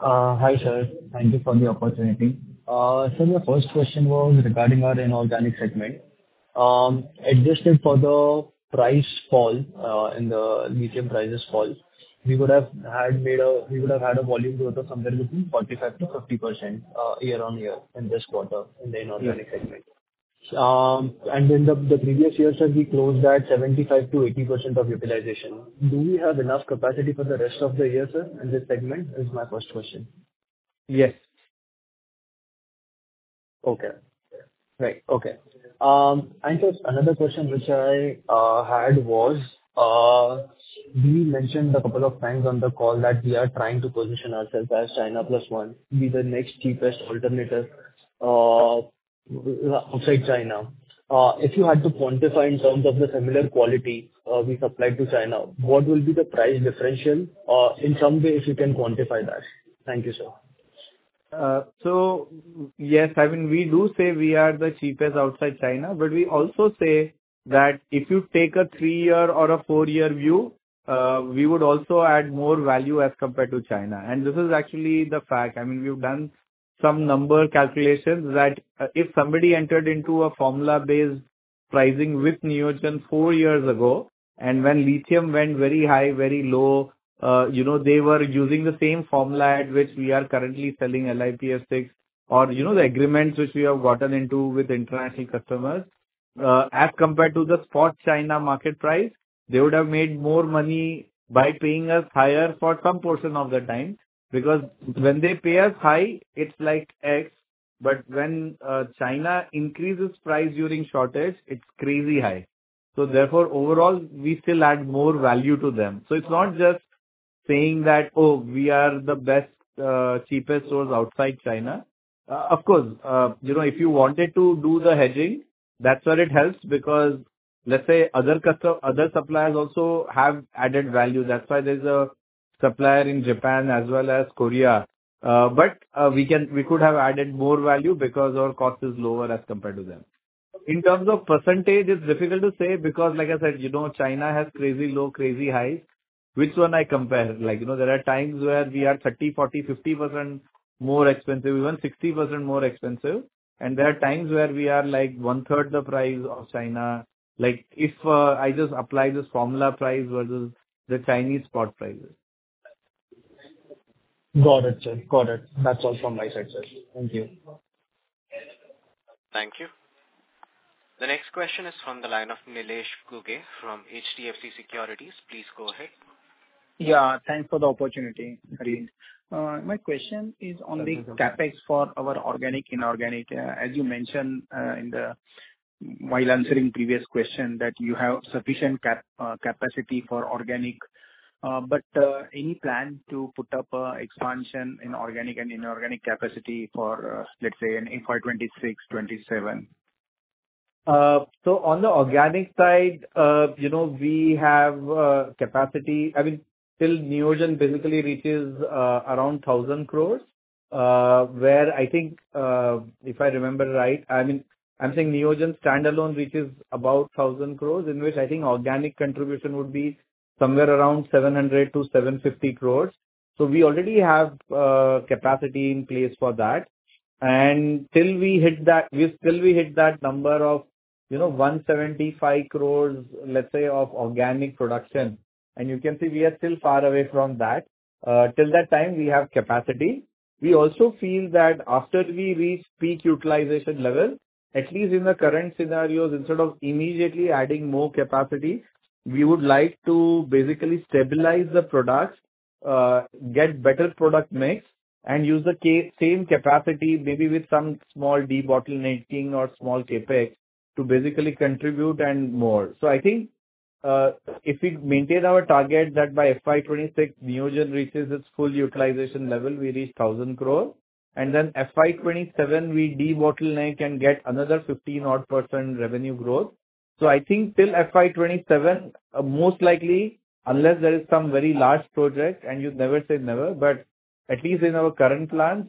Hi, sir. Thank you for the opportunity. Sir, my first question was regarding our inorganic segment. Adjusted for the price fall and the lithium prices fall, we would have had made a, we would have had a volume growth of somewhere between 45%-50%, year-on-year in this quarter in the inorganic segment? And in the previous years, sir, we closed at 75%-80% of utilization. Do we have enough capacity for the rest of the year, sir, in this segment? Is my first question? Yes. Okay. Right, okay. And just another question which I had was, we mentioned a couple of times on the call that we are trying to position ourselves as China plus one, be the next cheapest alternative, outside China. If you had to quantify in terms of the similar quality, we supply to China, what will be the price differential? In some way, if you can quantify that. Thank you, sir. So yes, I mean, we do say we are the cheapest outside China, but we also say that if you take a 3-year or a 4-year view, we would also add more value as compared to China. And this is actually the fact. I mean, we've done some number calculations that, if somebody entered into a formula-based pricing with Neogen four years ago, and when lithium went very high, very low, you know, they were using the same formula at which we are currently selling LiPF6, or, you know, the agreements which we have gotten into with international customers. As compared to the spot China market price, they would have made more money by paying us higher for some portion of the time, because when they pay us high, it's like X, but when, China increases price during shortage, it's crazy high. So therefore, overall, we still add more value to them. So it's not just saying that, "Oh, we are the best, cheapest source outside China." Of course, you know, if you wanted to do the hedging, that's where it helps, because let's say other suppliers also have added value. That's why there's a supplier in Japan as well as Korea. But we could have added more value because our cost is lower as compared to them. In terms of percentage, it's difficult to say, because like I said, you know, China has crazy low, crazy highs. Which one I compare? Like, you know, there are times where we are 30, 40, 50% more expensive, even 60% more expensive, and there are times where we are, like, one-third the price of China. Like, if I just apply this formula price versus the Chinese spot prices. Got it, sir. Got it. That's all from my side, sir. Thank you. Thank you. The next question is from the line of Nilesh Ghuge from HDFC Securities. Please go ahead. Yeah, thanks for the opportunity. My question is on the CapEx for our organic, inorganic. As you mentioned, in the... While answering previous question, that you have sufficient capacity for organic, but, any plan to put up a expansion in organic and inorganic capacity for, let's say, in FY 2026, 2027? So on the organic side, you know, we have capacity. I mean, till Neogen basically reaches around 1,000 crore, where I think, if I remember right, I mean, I'm saying Neogen standalone, which is about 1,000 crore, in which I think organic contribution would be somewhere around 700 crore-750 crore. So we already have capacity in place for that. And till we hit that, till we hit that number of, you know, 175 crore, let's say, of organic production, and you can see we are still far away from that, till that time, we have capacity. We also feel that after we reach peak utilization level, at least in the current scenarios, instead of immediately adding more capacity, we would like to basically stabilize the products, get better product mix, and use the same capacity, maybe with some small debottlenecking or small CapEx, to basically contribute and more. So I think, if we maintain our target, that by FY 2026, Neogen reaches its full utilization level, we reach 1,000 crore, and then FY 2027, we debottleneck and get another 15 odd % revenue growth. So I think till FY 2027, most likely, unless there is some very large project, and you never say never, but at least in our current plans,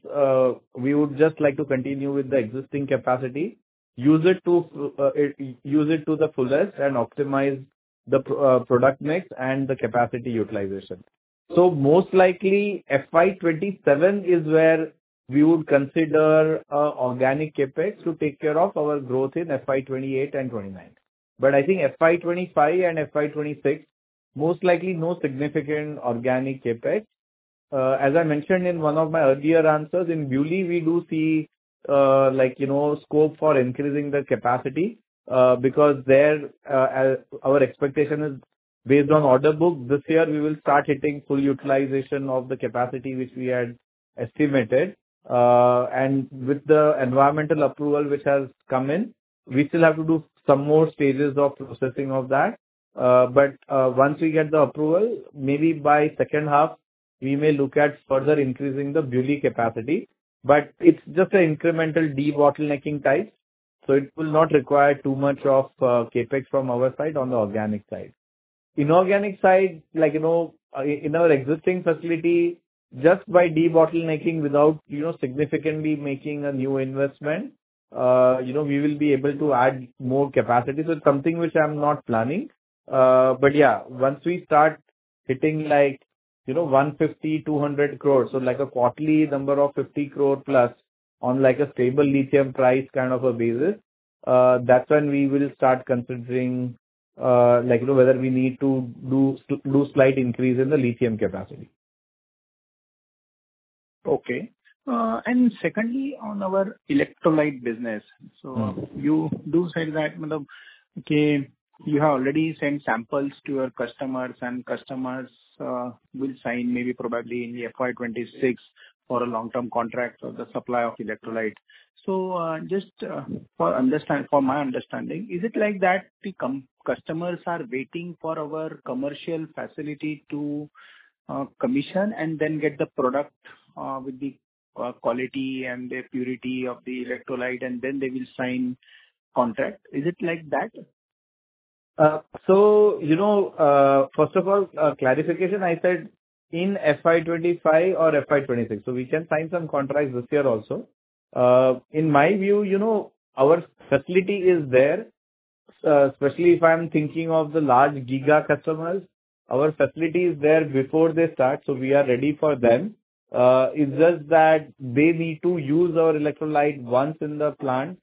we would just like to continue with the existing capacity, use it to the fullest and optimize the product mix and the capacity utilization. So most likely, FY 2027 is where we would consider organic CapEx to take care of our growth in FY 2028 and 2029. But I think FY 2025 and FY 2026, most likely no significant organic CapEx. As I mentioned in one of my earlier answers, in BuLi, we do see, like, you know, scope for increasing the capacity, because there, our, our expectation is based on order book. This year, we will start hitting full utilization of the capacity which we had estimated. And with the environmental approval which has come in, we still have to do some more stages of processing of that, but once we get the approval, maybe by second half, we may look at further increasing the BuLi capacity. But it's just an incremental debottlenecking type, so it will not require too much of, CapEx from our side on the organic side. Inorganic side, like, you know, in our existing facility, just by debottlenecking without, you know, significantly making a new investment, you know, we will be able to add more capacity. So it's something which I'm not planning. But yeah, once we start hitting like, you know, 150 crore-200 crore, so like a quarterly number of 50 crore plus on, like, a stable lithium price kind of a basis, that's when we will start considering, like, you know, whether we need to do a slight increase in the lithium capacity. Okay. And secondly, on our electrolyte business. So you do say that, okay, you have already sent samples to your customers, and customers will sign maybe probably in the FY 2026 for a long-term contract for the supply of electrolyte. So, just, for my understanding, is it like that the customers are waiting for our commercial facility to commission and then get the product with the quality and the purity of the electrolyte, and then they will sign contract? Is it like that? So, you know, first of all, clarification, I said in FY 2025 or FY 2026, so we can sign some contracts this year also. In my view, you know, our facility is there, especially if I'm thinking of the large giga customers, our facility is there before they start, so we are ready for them. It's just that they need to use our electrolyte once in the plant,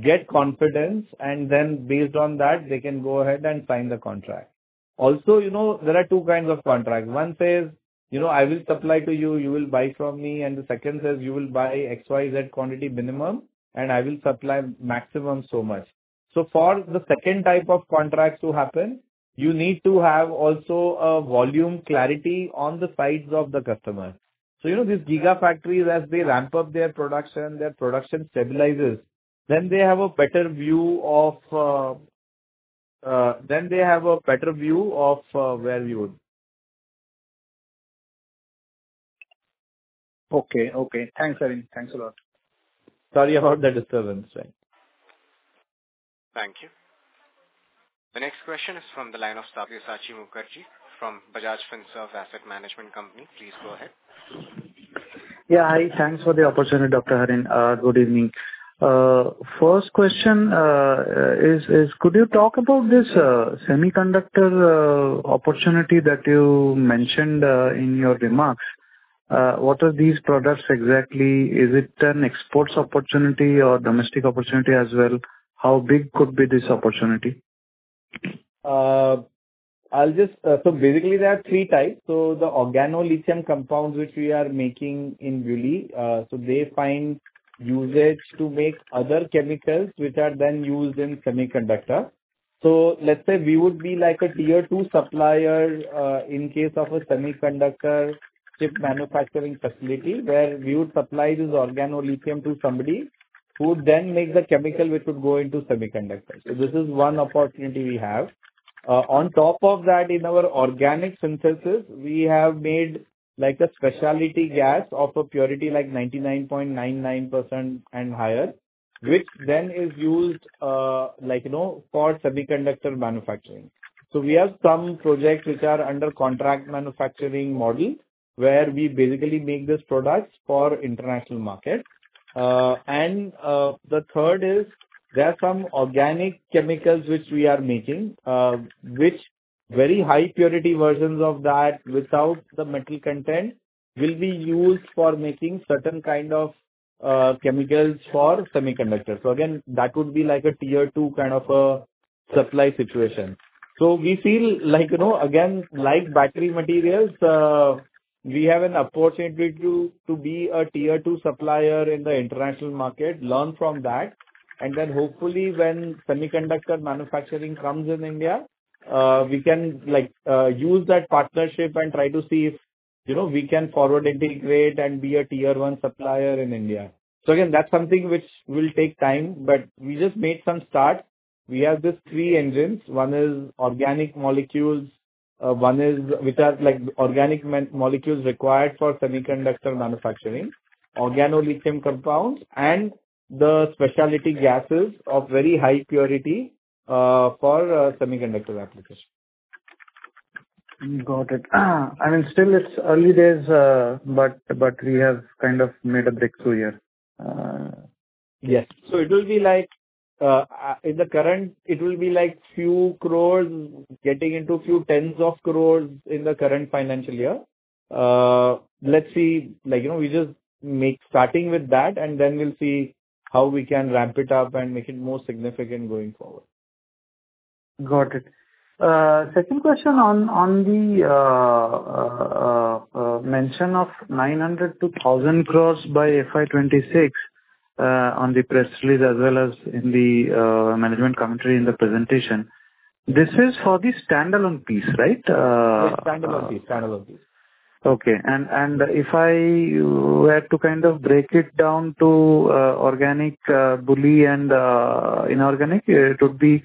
get confidence, and then based on that, they can go ahead and sign the contract. Also, you know, there are two kinds of contracts. One says: You know, I will supply to you, you will buy from me. And the second says: You will buy XYZ quantity minimum, and I will supply maximum so much. So for the second type of contracts to happen, you need to have also a volume clarity on the sides of the customer. So, you know, these giga factories, as they ramp up their production, their production stabilizes, then they have a better view of where you would. Okay, okay. Thanks, Harin. Thanks a lot. Sorry about the disturbance, right? Thank you. The next question is from the line of Sabyasachi Mukherji from Bajaj Finserv Asset Management Company. Please go ahead. Yeah, hi. Thanks for the opportunity, Dr. Harin. Good evening. First question, could you talk about this semiconductor opportunity that you mentioned in your remarks? What are these products exactly? Is it an exports opportunity or domestic opportunity as well? How big could be this opportunity? I'll just. So basically, there are three types. So the organolithium compounds, which we are making in BuLi, so they find usage to make other chemicals, which are then used in semiconductor. So let's say we would be like a tier two supplier, in case of a semiconductor chip manufacturing facility, where we would supply this organolithium to somebody, who would then make the chemical, which would go into semiconductors. So this is one opportunity we have. On top of that, in our organic synthesis, we have made, like, a specialty gas of a purity, like 99.99% and higher, which then is used, like, you know, for semiconductor manufacturing. So we have some projects which are under contract manufacturing model, where we basically make these products for international markets. The third is, there are some organic chemicals which we are making, which very high purity versions of that, without the metal content, will be used for making certain kind of chemicals for semiconductors. So again, that would be like a tier two kind of a supply situation. So we feel like, you know, again, like battery materials, we have an opportunity to be a tier two supplier in the international market, learn from that, and then hopefully, when semiconductor manufacturing comes in India, we can, like, use that partnership and try to see if, you know, we can forward integrate and be a tier one supplier in India. So again, that's something which will take time, but we just made some start. We have these three engines. One is organic molecules, one is, which are, like, organic molecules required for semiconductor manufacturing, organolithium compounds, and the specialty gases of very high purity for semiconductor applications. Got it. I mean, still it's early days, but, but we have kind of made a breakthrough here- Yes. So it will be like, in the current, it will be like few crores, getting into few tens of crores in the current financial year. Let's see. Like, you know, we just make starting with that, and then we'll see how we can ramp it up and make it more significant going forward. Got it. Second question on the mention of 900 crore-1,000 crore by FY 2026 on the press release, as well as in the management commentary in the presentation. This is for the standalone piece, right? Standalone piece, standalone piece. Okay. And if I were to kind of break it down to organic, BuLi and inorganic, it would be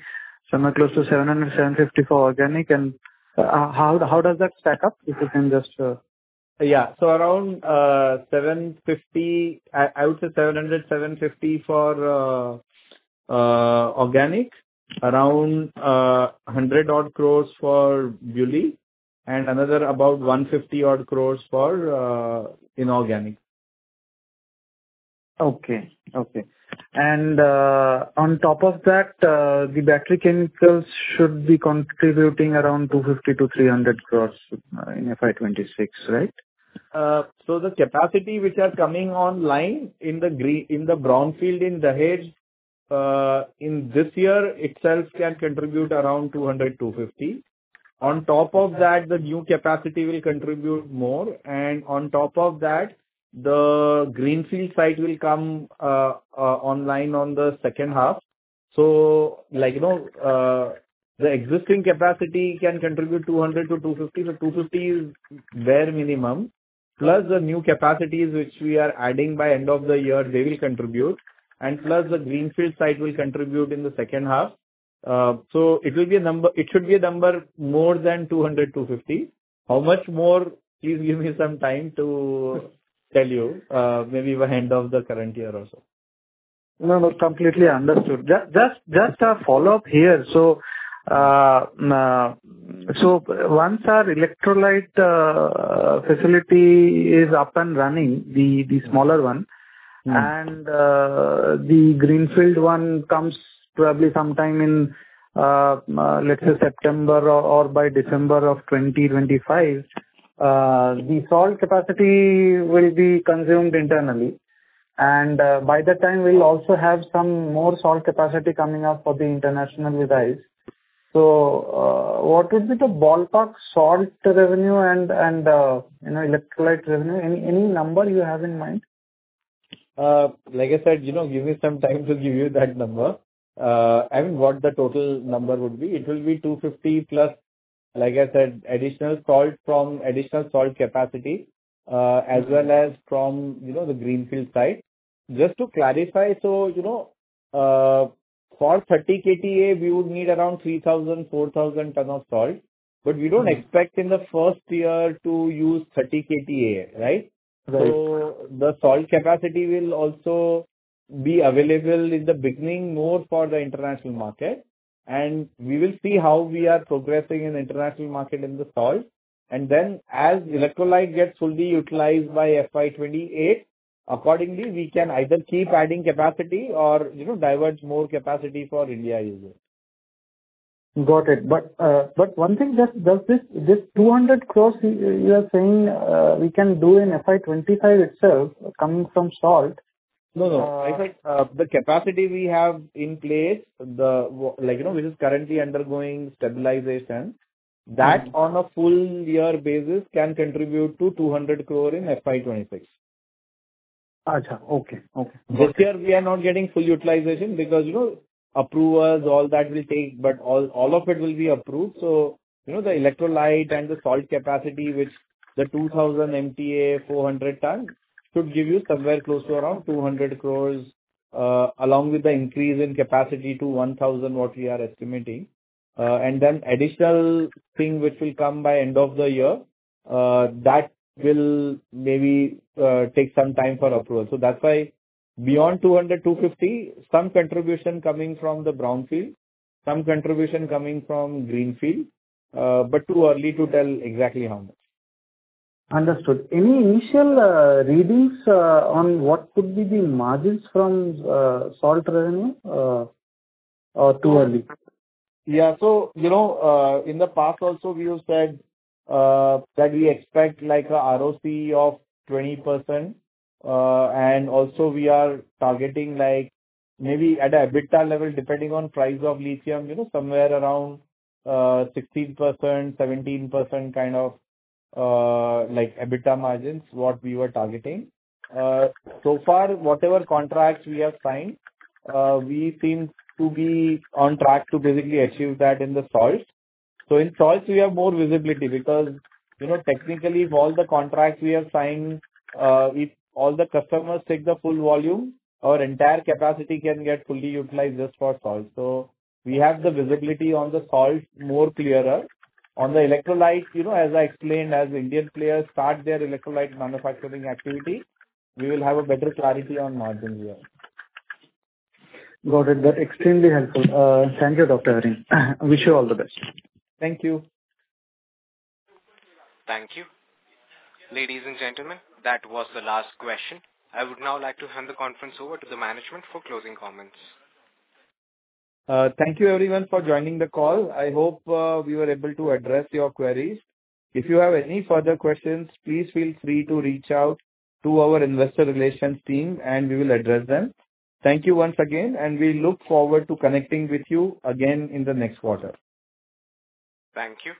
somewhere close to 700-750 for organic. And how does that stack up? If you can just... Yeah. So around 750 crore, I would say 700 crore-750 crore for organic, around 100 odd crore for BuLi, and another about 150 odd crore for inorganic. Okay, okay. On top of that, the battery chemicals should be contributing around 250-300 crores in FY 2026, right? So the capacity which are coming online in the brownfield in Dahej, in this year itself can contribute around 200, 250. On top of that, the new capacity will contribute more, and on top of that, the greenfield site will come online on the second half. So like, you know, the existing capacity can contribute 200 to 250. The 250 is bare minimum, plus the new capacities which we are adding by end of the year, they will contribute, and plus the greenfield site will contribute in the second half. So it will be a number. It should be a number more than 200, 250. How much more? Please give me some time to tell you. Maybe by end of the current year also. No, no, completely understood. Just a follow-up here. So, once our electrolyte facility is up and running, the smaller one- Mm-hmm. And, the greenfield one comes probably sometime in, let's say September or by December of 2025, the salt capacity will be consumed internally. And, by that time, we'll also have some more salt capacity coming up for the international rise. So, what would be the ballpark salt revenue and, you know, electrolyte revenue? Any number you have in mind? Like I said, you know, give me some time to give you that number. I mean, what the total number would be. It will be 250 plus, like I said, additional salt from additional salt capacity, Mm-hmm. —as well as from, you know, the greenfield site. Just to clarify, so, you know, for 30 KTA, we would need around 3,000-4,000 tons of salt. But we don't expect in the first year to use 30 KTA, right? Right. So the salt capacity will also be available in the beginning, more for the international market. We will see how we are progressing in the international market in the salt, and then as electrolyte gets fully utilized by FY 2028, accordingly, we can either keep adding capacity or, you know, divert more capacity for India users. Got it. But, but one thing, just, does this, this 200 crore you are saying, we can do in FY 2025 itself coming from salt? No, no. If I, the capacity we have in place, like, you know, which is currently undergoing stabilization- Mm-hmm. -that on a full year basis, can contribute to 200 crore in FY 2025. Okay. Okay. This year, we are not getting full utilization because, you know, approvers, all that will take, but all, all of it will be approved. So, you know, the electrolyte and the salt capacity, which the 2000 MTA, 400 ton, should give you somewhere close to around 200 crore, along with the increase in capacity to 1000, what we are estimating. And then additional thing, which will come by end of the year, that will maybe take some time for approval. So that's why beyond 200, 250, some contribution coming from the brownfield, some contribution coming from greenfield, but too early to tell exactly how much. Understood. Any initial readings on what could be the margins from salt revenue, or too early? Yeah. So, you know, in the past also, we have said that we expect, like, a ROC of 20%. And also we are targeting, like, maybe at a EBITDA level, depending on price of lithium, you know, somewhere around 16%, 17% kind of, like, EBITDA margins, what we were targeting. So far, whatever contracts we have signed, we seem to be on track to basically achieve that in the salts. So in salts, we have more visibility because, you know, technically, if all the contracts we are signing, if all the customers take the full volume, our entire capacity can get fully utilized just for salt. So we have the visibility on the salt more clearer. On the electrolyte, you know, as I explained, as Indian players start their electrolyte manufacturing activity, we will have a better clarity on margin here. Got it. That's extremely helpful. Thank you, Dr. Harin. Wish you all the best. Thank you. Thank you. Ladies and gentlemen, that was the last question. I would now like to hand the conference over to the management for closing comments. Thank you everyone for joining the call. I hope we were able to address your queries. If you have any further questions, please feel free to reach out to our investor relations team, and we will address them. Thank you once again, and we look forward to connecting with you again in the next quarter. Thank you.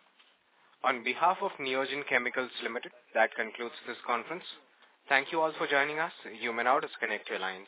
On behalf of Neogen Chemicals Limited, that concludes this conference. Thank you all for joining us. You may now disconnect your lines.